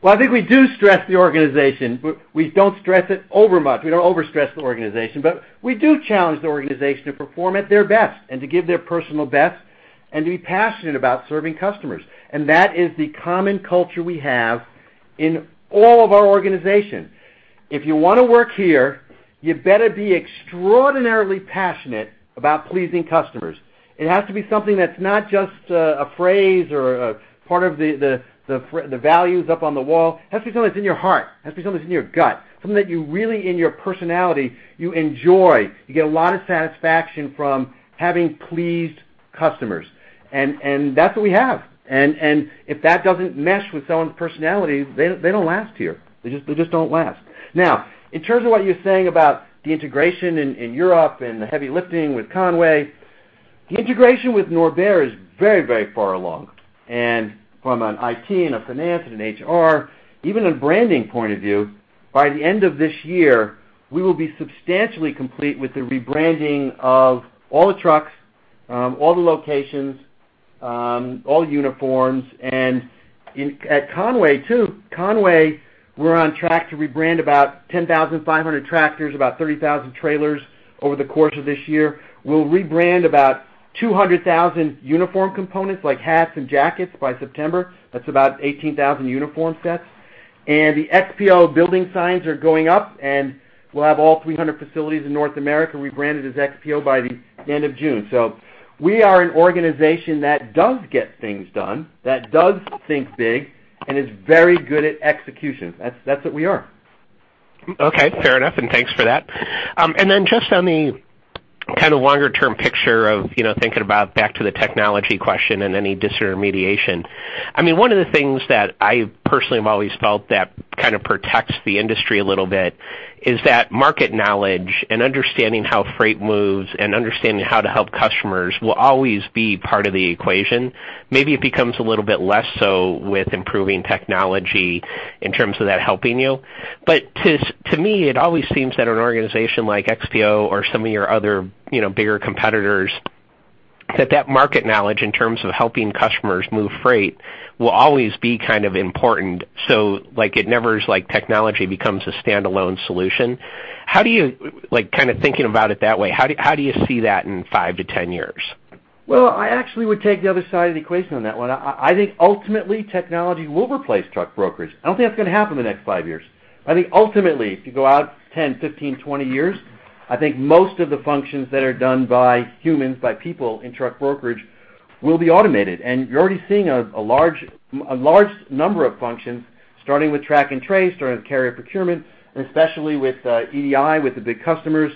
Well, I think we do stress the organization. We don't stress it over much. We don't overstress the organization, but we do challenge the organization to perform at their best and to give their personal best and to be passionate about serving customers. And that is the common culture we have in all of our organizations. If you want to work here, you better be extraordinarily passionate about pleasing customers. It has to be something that's not just a phrase or a part of the values up on the wall. It has to be something that's in your heart. It has to be something that's in your gut, something that you really, in your personality, you enjoy. You get a lot of satisfaction from having pleased customers, and that's what we have. If that doesn't mesh with someone's personality, they don't last here. They just don't last. Now, in terms of what you're saying about the integration in Europe and the heavy lifting with Con-way, the integration with Norbert is very, very far along. And from an IT and a finance and an HR, even a branding point of view, by the end of this year, we will be substantially complete with the rebranding of all the trucks, all the locations, all uniforms, and at Con-way too. Con-way, we're on track to rebrand about 10,500 tractors, about 30,000 trailers over the course of this year. We'll rebrand about 200,000 uniform components, like hats and jackets, by September. That's about 18,000 uniform sets. The XPO building signs are going up, and we'll have all 300 facilities in North America rebranded as XPO by the end of June. We are an organization that does get things done, that does think big and is very good at execution. That's, that's what we are. Okay, fair enough, and thanks for that. And then just on the kind of longer term picture of, you know, thinking about back to the technology question and any disintermediation. I mean, one of the things that I personally have always felt that kind of protects the industry a little bit is that market knowledge and understanding how freight moves and understanding how to help customers will always be part of the equation. Maybe it becomes a little bit less so with improving technology in terms of that helping you. But to me, it always seems that an organization like XPO or some of your other, you know, bigger competitors, that that market knowledge in terms of helping customers move freight will always be kind of important. So, like, it never is like technology becomes a standalone solution. How do you like, kind of thinking about it that way, how do you see that in 5-10 years? Well, I actually would take the other side of the equation on that one. I, I think ultimately, technology will replace truck brokerage. I don't think that's going to happen in the next 5 years. I think ultimately, if you go out 10, 15, 20 years, I think most of the functions that are done by humans, by people in truck brokerage, will be automated. And you're already seeing a, a large, a large number of functions, starting with track and trace, starting with carrier procurement, and especially with EDI, with the big customers.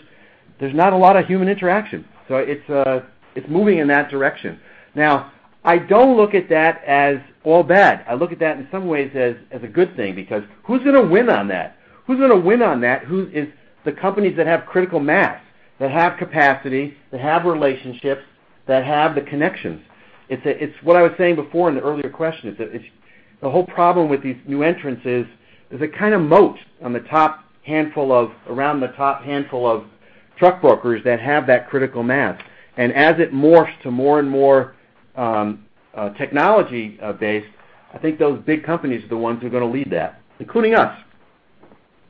There's not a lot of human interaction, so it's moving in that direction. Now, I don't look at that as all bad. I look at that in some ways as, as a good thing, because who's going to win on that? Who's going to win on that? Who... It's the companies that have critical mass, that have capacity, that have relationships, that have the connections. It's what I was saying before in the earlier question, is that it's the whole problem with these new entrants is, there's a kind of moat around the top handful of truck brokers that have that critical mass. And as it morphs to more and more technology base, I think those big companies are the ones who are going to lead that, including us.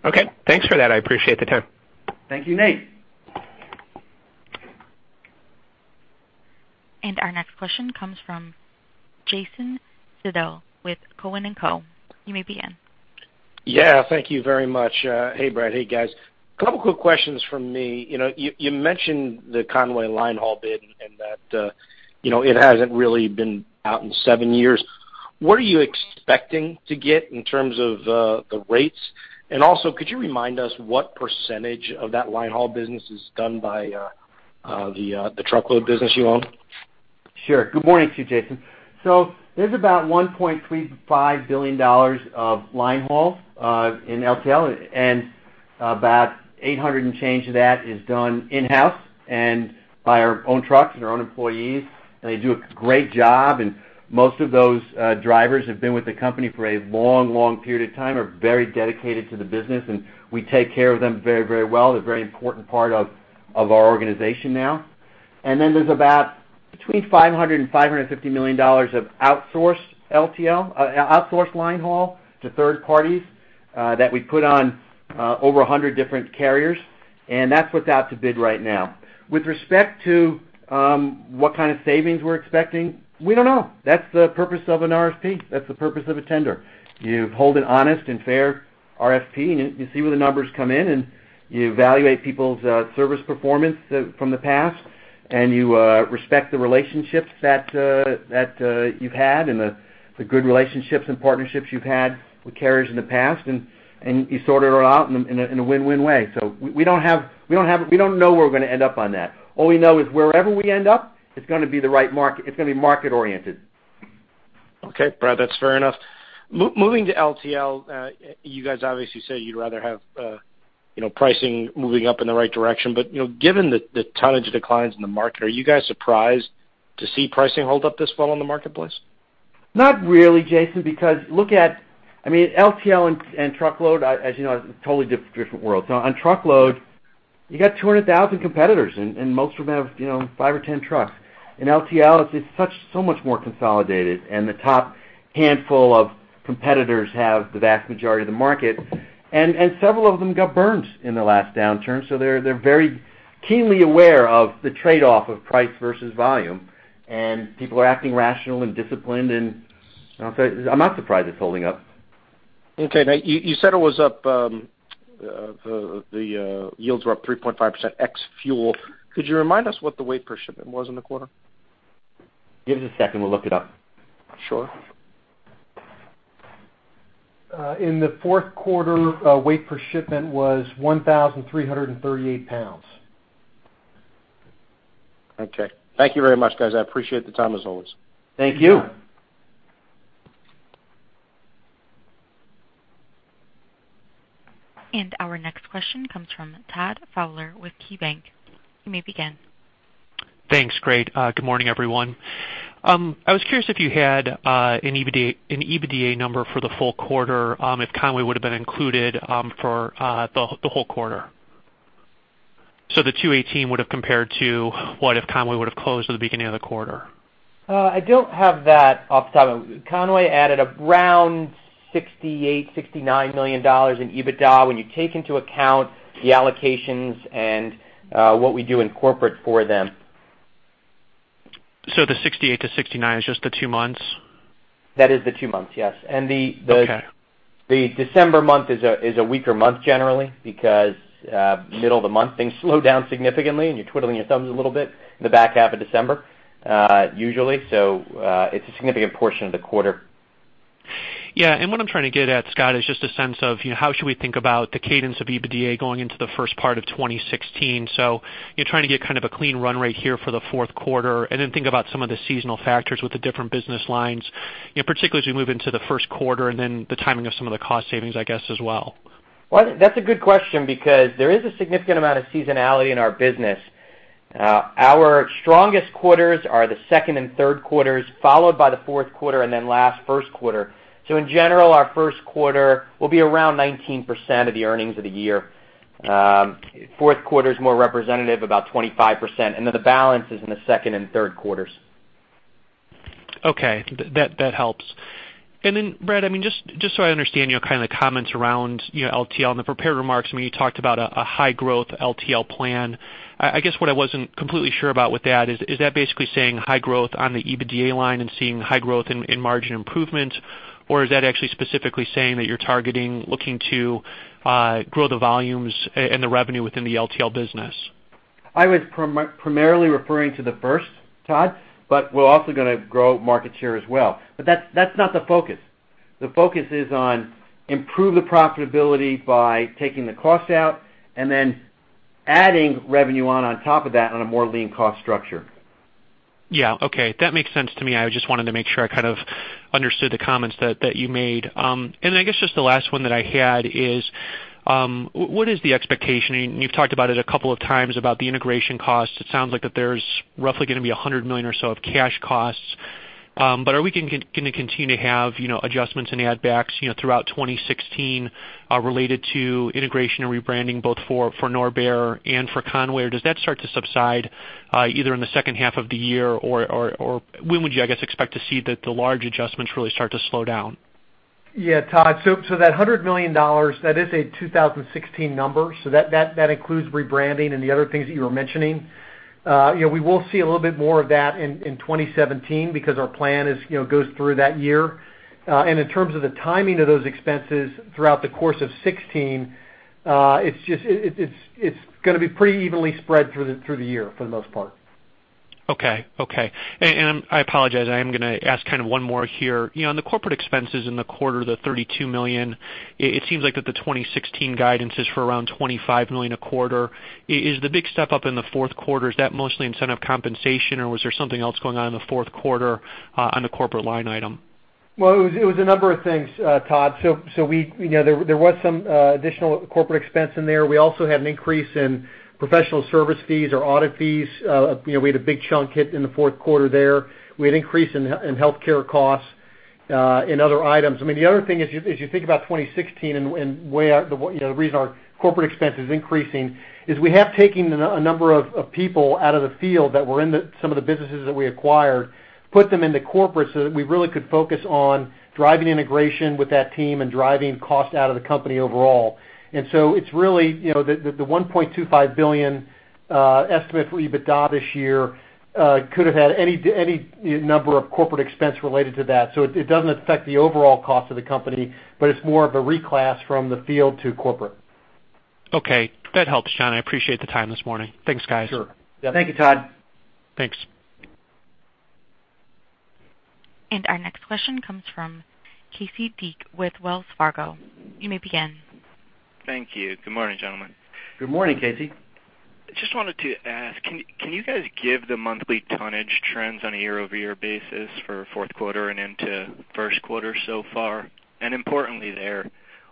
Okay, thanks for that. I appreciate the time. Thank you, Nate. Our next question comes from Jason Seidl with Cowen and Co. You may begin. Yeah, thank you very much. Hey, Brad. Hey, guys. A couple quick questions from me. You know, you mentioned the Con-way line haul bid and that, you know, it hasn't really been out in seven years. What are you expecting to get in terms of the rates? And also, could you remind us what percentage of that line haul business is done by the truckload business you own? Sure. Good morning to you, Jason. So there's about $1.35 billion of line haul in LTL, and about $800 million and change of that is done in-house and by our own trucks and our own employees, and they do a great job. And most of those drivers have been with the company for a long, long period of time, are very dedicated to the business, and we take care of them very, very well. They're a very important part of our organization now. And then there's about between $500 million and $550 million of outsourced LTL outsourced line haul to third parties that we put on over 100 different carriers, and that's what's out to bid right now. With respect to what kind of savings we're expecting, we don't know. That's the purpose of an RFP. That's the purpose of a tender. You hold an honest and fair RFP, and you see where the numbers come in, and you evaluate people's service performance from the past, and you respect the relationships that you've had and the good relationships and partnerships you've had with carriers in the past, and you sort it all out in a win-win way. So we don't know where we're going to end up on that. All we know is wherever we end up, it's going to be the right market, it's going to be market oriented. Okay, Brad, that's fair enough. Moving to LTL, you guys obviously say you'd rather have, you know, pricing moving up in the right direction. But, you know, given the tonnage declines in the market, are you guys surprised to see pricing hold up this well in the marketplace? Not really, Jason, because look at... I mean, LTL and truckload, as you know, are totally different worlds. Now, on truckload, you got 200,000 competitors, and most of them have, you know, five or 10 trucks. In LTL, it's so much more consolidated, and the top handful of competitors have the vast majority of the market, and several of them got burned in the last downturn. So they're very keenly aware of the trade-off of price versus volume, and people are acting rational and disciplined, and I'll say, I'm not surprised it's holding up. Okay. Now you said it was up, the yields were up 3.5% ex-fuel. Could you remind us what the weight per shipment was in the quarter? Give us a second, we'll look it up. Sure. In the fourth quarter, weight per shipment was 1,338 lbs. Okay. Thank you very much, guys. I appreciate the time, as always. Thank you. Our next question comes from Todd Fowler with KeyBank. You may begin. Thanks. Great. Good morning, everyone. I was curious if you had an EBITDA, an EBITDA number for the full quarter, if Con-way would have been included, for the whole, the whole quarter? So the 2 18 would have compared to what, if Con-way would have closed at the beginning of the quarter. I don't have that off the top. Con-way added around $68-$69 million in EBITDA, when you take into account the allocations and what we do in corporate for them. So the 68-69 is just the 2 months? That is the 2 months, yes. Okay. And the December month is a weaker month generally, because middle of the month, things slow down significantly, and you're twiddling your thumbs a little bit in the back half of December, usually, so it's a significant portion of the quarter. Yeah, and what I'm trying to get at, Scott, is just a sense of, you know, how should we think about the cadence of EBITDA going into the first part of 2016. So you're trying to get kind of a clean run rate here for the fourth quarter, and then think about some of the seasonal factors with the different business lines, you know, particularly as you move into the first quarter, and then the timing of some of the cost savings, I guess, as well. Well, that's a good question because there is a significant amount of seasonality in our business. Our strongest quarters are the second and third quarters, followed by the fourth quarter, and then last, first quarter. So in general, our first quarter will be around 19% of the earnings of the year. Fourth quarter is more representative, about 25%, and then the balance is in the second and third quarters. Okay, that, that helps. And then, Brad, I mean, just, just so I understand your kind of comments around, you know, LTL. In the prepared remarks, I mean, you talked about a, a high growth LTL plan. I, I guess what I wasn't completely sure about with that is, is that basically saying high growth on the EBITDA line and seeing high growth in, in margin improvement? Or is that actually specifically saying that you're targeting, looking to, grow the volumes and the revenue within the LTL business? I was primarily referring to the first, Todd, but we're also going to grow market share as well. But that's, that's not the focus. The focus is on improve the profitability by taking the costs out and then adding revenue on, on top of that, on a more lean cost structure. Yeah. Okay, that makes sense to me. I just wanted to make sure I kind of understood the comments that you made. And I guess just the last one that I had is, what is the expectation? And you've talked about it a couple of times about the integration costs. It sounds like that there's roughly going to be $100 million or so of cash costs. But are we going to continue to have, you know, adjustments and add backs, you know, throughout 2016, related to integration and rebranding, both for Norbert and for Con-way? Or does that start to subside, either in the second half of the year? Or when would you, I guess, expect to see that the large adjustments really start to slow down? Yeah, Todd. So that $100 million, that is a 2016 number, so that includes rebranding and the other things that you were mentioning. You know, we will see a little bit more of that in 2017 because our plan, you know, goes through that year. And in terms of the timing of those expenses throughout the course of 2016, it's just going to be pretty evenly spread through the year for the most part. Okay. Okay. And I apologize, I am going to ask kind of one more here. You know, on the corporate expenses in the quarter, the $32 million, it seems like that the 2016 guidance is for around $25 million a quarter. Is the big step up in the fourth quarter, is that mostly incentive compensation, or was there something else going on in the fourth quarter, on the corporate line item? Well, it was a number of things, Todd. So we, you know, there was some additional corporate expense in there. We also had an increase in professional service fees or audit fees. You know, we had a big chunk hit in the fourth quarter there. We had increase in healthcare costs and other items. I mean, the other thing, as you think about 2016 and where, you know, the reason our corporate expense is increasing is we have taken a number of people out of the field that were in some of the businesses that we acquired, put them into corporate so that we really could focus on driving integration with that team and driving costs out of the company overall. And so it's really, you know, the $1.25 billion estimate for EBITDA this year could have had any number of corporate expense related to that. So it doesn't affect the overall cost of the company, but it's more of a reclass from the field to corporate. Okay. That helps, John. I appreciate the time this morning. Thanks, guys. Sure. Thank you, Todd. Thanks. Our next question comes from Casey Deak with Wells Fargo. You may begin. Thank you. Good morning, gentlemen. Good morning, Casey. I just wanted to ask, can you guys give the monthly tonnage trends on a year-over-year basis for fourth quarter and into first quarter so far? And importantly, there,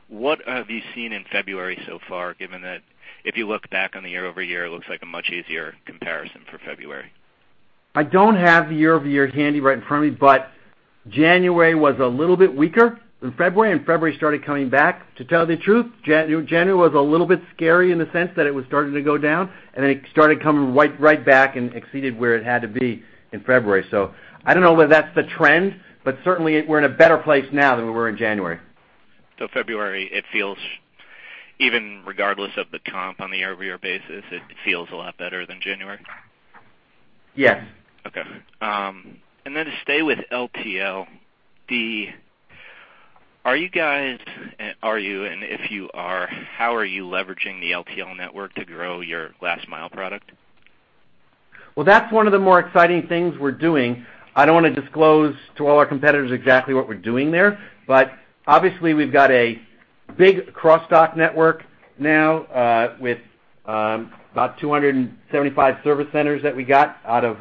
what have you seen in February so far, given that if you look back on the year-over-year, it looks like a much easier comparison for February? I don't have the year-over-year handy right in front of me, but January was a little bit weaker than February, and February started coming back. To tell the truth, January was a little bit scary in the sense that it was starting to go down, and then it started coming right, right back and exceeded where it had to be in February. So I don't know whether that's the trend, but certainly we're in a better place now than we were in January. So February, it feels even regardless of the comp on the year-over-year basis, it feels a lot better than January? Yes. Okay. And then to stay with LTL, the... Are you guys, are you and if you are, how are you leveraging the LTL network to grow your last mile product? Well, that's one of the more exciting things we're doing. I don't want to disclose to all our competitors exactly what we're doing there, but obviously, we've got a big cross-dock network now, with about 275 service centers that we got out of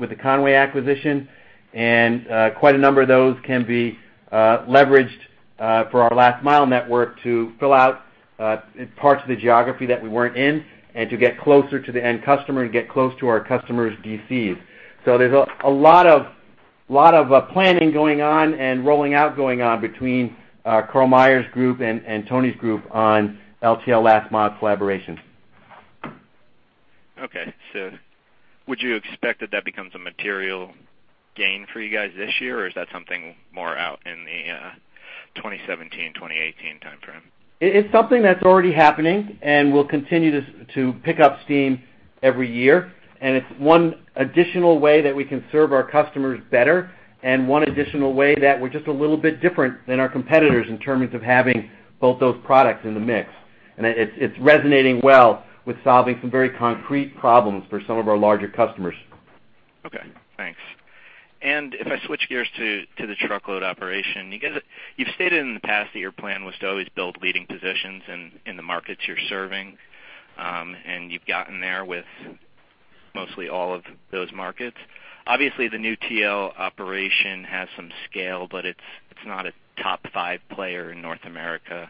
with the Con-way acquisition, and quite a number of those can be leveraged for our last mile network to fill out parts of the geography that we weren't in and to get closer to the end customer and get close to our customers' DCs. So there's a lot of planning going on and rolling out going on between Karl Meyer group and Tony's group on LTL last mile collaboration. Okay. So would you expect that that becomes a material gain for you guys this year, or is that something more out in the 2017, 2018 timeframe? It is something that's already happening and will continue to pick up steam every year. It's one additional way that we can serve our customers better and one additional way that we're just a little bit different than our competitors in terms of having both those products in the mix.... It's resonating well with solving some very concrete problems for some of our larger customers. Okay, thanks. And if I switch gears to, to the truckload operation, you guys, you've stated in the past that your plan was to always build leading positions in, in the markets you're serving, and you've gotten there with mostly all of those markets. Obviously, the new TL operation has some scale, but it's, it's not a top five player in North America.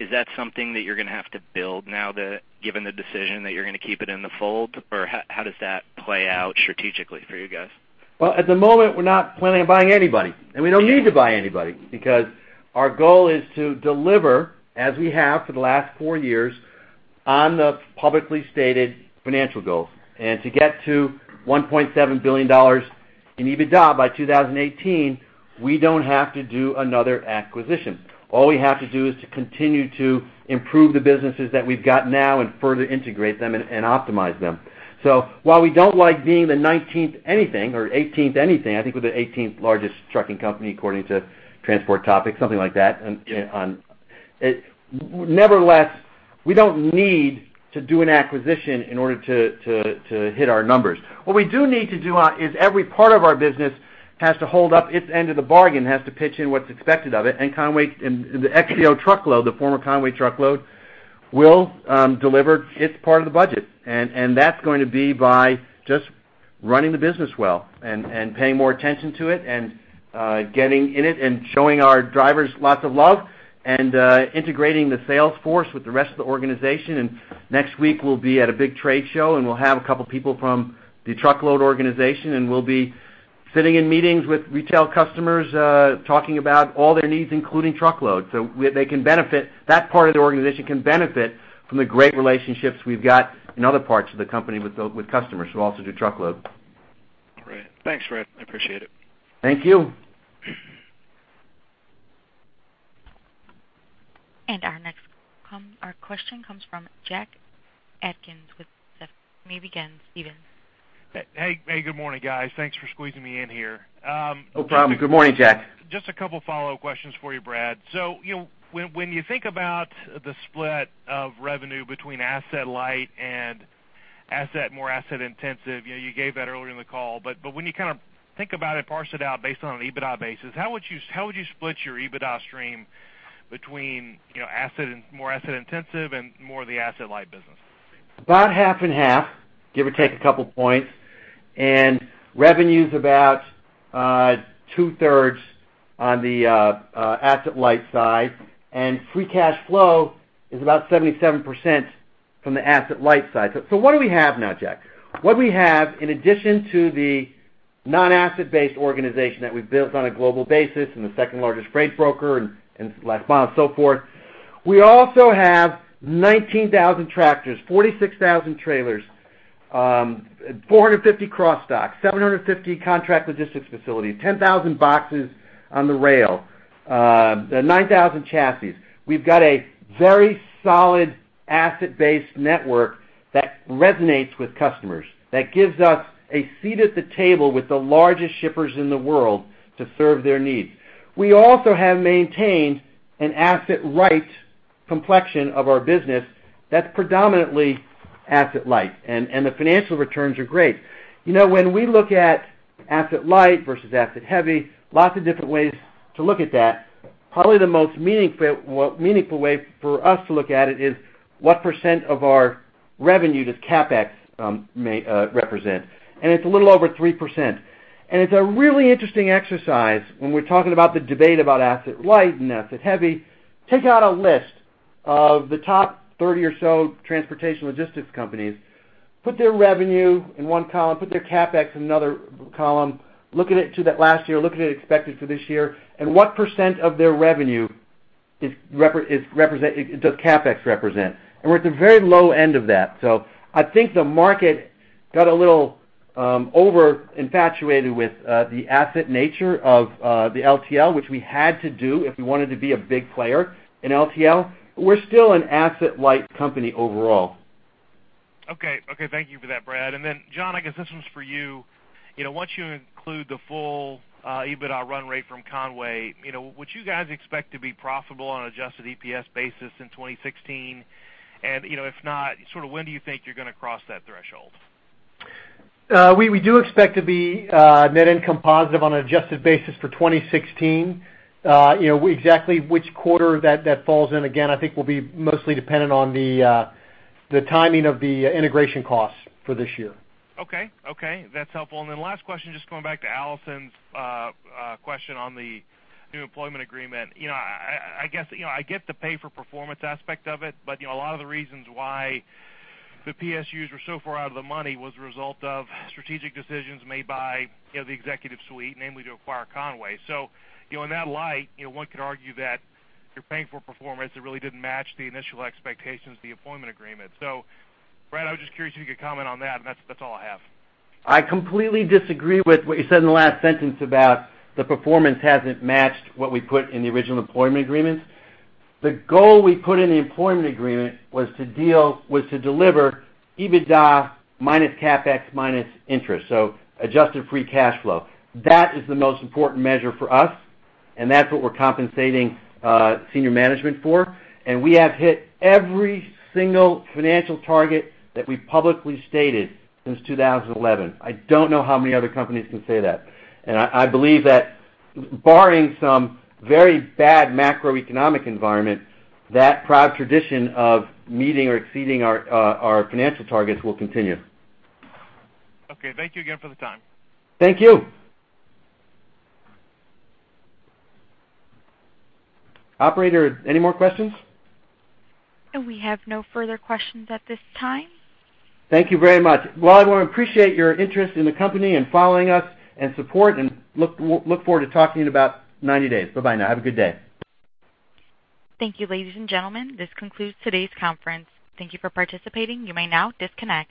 Is that something that you're gonna have to build now that, given the decision that you're gonna keep it in the fold? Or how, how does that play out strategically for you guys? Well, at the moment, we're not planning on buying anybody, and we don't need to buy anybody because our goal is to deliver, as we have for the last four years, on the publicly stated financial goals. To get to $1.7 billion in EBITDA by 2018, we don't have to do another acquisition. All we have to do is to continue to improve the businesses that we've got now and further integrate them and optimize them. So while we don't like being the 19th anything or 18th anything, I think we're the 18th largest trucking company, according to Transport Topics, something like that. Nevertheless, we don't need to do an acquisition in order to hit our numbers. What we do need to do is every part of our business has to hold up its end of the bargain, has to pitch in what's expected of it, and Con-way, and the XPO truckload, the former Con-way truckload, will deliver its part of the budget, and that's going to be by just running the business well and paying more attention to it, and getting in it, and showing our drivers lots of love, and integrating the sales force with the rest of the organization. Next week, we'll be at a big trade show, and we'll have a couple people from the truckload organization, and we'll be sitting in meetings with retail customers, talking about all their needs, including truckload. So they can benefit, that part of the organization can benefit from the great relationships we've got in other parts of the company with customers who also do truckload. Great. Thanks, Brad. I appreciate it. Thank you. Our next question comes from Jack Atkins with Stephens. Hey, hey, good morning, guys. Thanks for squeezing me in here. No problem. Good morning, Jack. Just a couple follow-up questions for you, Brad. So, you know, when you think about the split of revenue between asset light and asset, more asset intensive, you know, you gave that earlier in the call, but when you kind of think about it, parse it out based on an EBITDA basis, how would you, how would you split your EBITDA stream between, you know, asset and more asset intensive and more of the asset light business? About half and half, give or take a couple points, and revenue's about 2/3 on the Asset-Light side, and free cash flow is about 77% from the Asset-Light side. So what do we have now, Jack? What we have, in addition to the non-Asset-Based organization that we've built on a global basis, and the second-largest freight broker, and Last Mile, and so forth, we also have 19,000 tractors, 46,000 trailers, 450 cross-dock, 750 contract logistics facilities, 10,000 boxes on the rail, 9,000 chassis. We've got a very solid Asset-Based network that resonates with customers, that gives us a seat at the table with the largest shippers in the world to serve their needs. We also have maintained an asset light complexion of our business that's predominantly asset light, and the financial returns are great. You know, when we look at asset light versus asset heavy, lots of different ways to look at that. Probably the most meaningful way for us to look at it is, what percent of our revenue does CapEx represent? And it's a little over 3%. And it's a really interesting exercise when we're talking about the debate about asset light and asset heavy. Take out a list of the top 30 or so transportation logistics companies, put their revenue in one column, put their CapEx in another column, look at it to that last year, look at it expected for this year, and what percent of their revenue does CapEx represent? We're at the very low end of that. So I think the market got a little over-infatuated with the asset nature of the LTL, which we had to do if we wanted to be a big player in LTL, but we're still an asset-light company overall. Okay. Okay, thank you for that, Brad. And then, John, I guess this one's for you. You know, once you include the full EBITDA run rate from Con-way, you know, would you guys expect to be profitable on an adjusted EPS basis in 2016? And, you know, if not, sort of, when do you think you're gonna cross that threshold? We do expect to be net income positive on an adjusted basis for 2016. You know, exactly which quarter that falls in, again, I think will be mostly dependent on the timing of the integration costs for this year. Okay. Okay, that's helpful. And then last question, just going back to Allison's question on the new employment agreement. You know, I, I guess, you know, I get the pay-for-performance aspect of it, but, you know, a lot of the reasons why the PSUs were so far out of the money was a result of strategic decisions made by, you know, the executive suite, namely, to acquire Conway. So, you know, in that light, you know, one could argue that you're paying for performance that really didn't match the initial expectations of the employment agreement. So, Brad, I was just curious if you could comment on that, and that's, that's all I have. I completely disagree with what you said in the last sentence about the performance hasn't matched what we put in the original employment agreement. The goal we put in the employment agreement was to deliver EBITDA minus CapEx, minus interest, so adjusted free cash flow. That is the most important measure for us, and that's what we're compensating senior management for, and we have hit every single financial target that we publicly stated since 2011. I don't know how many other companies can say that. And I believe that barring some very bad macroeconomic environment, that proud tradition of meeting or exceeding our financial targets will continue. Okay, thank you again for the time. Thank you. Operator, any more questions? We have no further questions at this time. Thank you very much. Well, I want to appreciate your interest in the company and following us and support, and look, look forward to talking to you in about 90 days. Bye-bye now. Have a good day. Thank you, ladies and gentlemen. This concludes today's conference. Thank you for participating. You may now disconnect.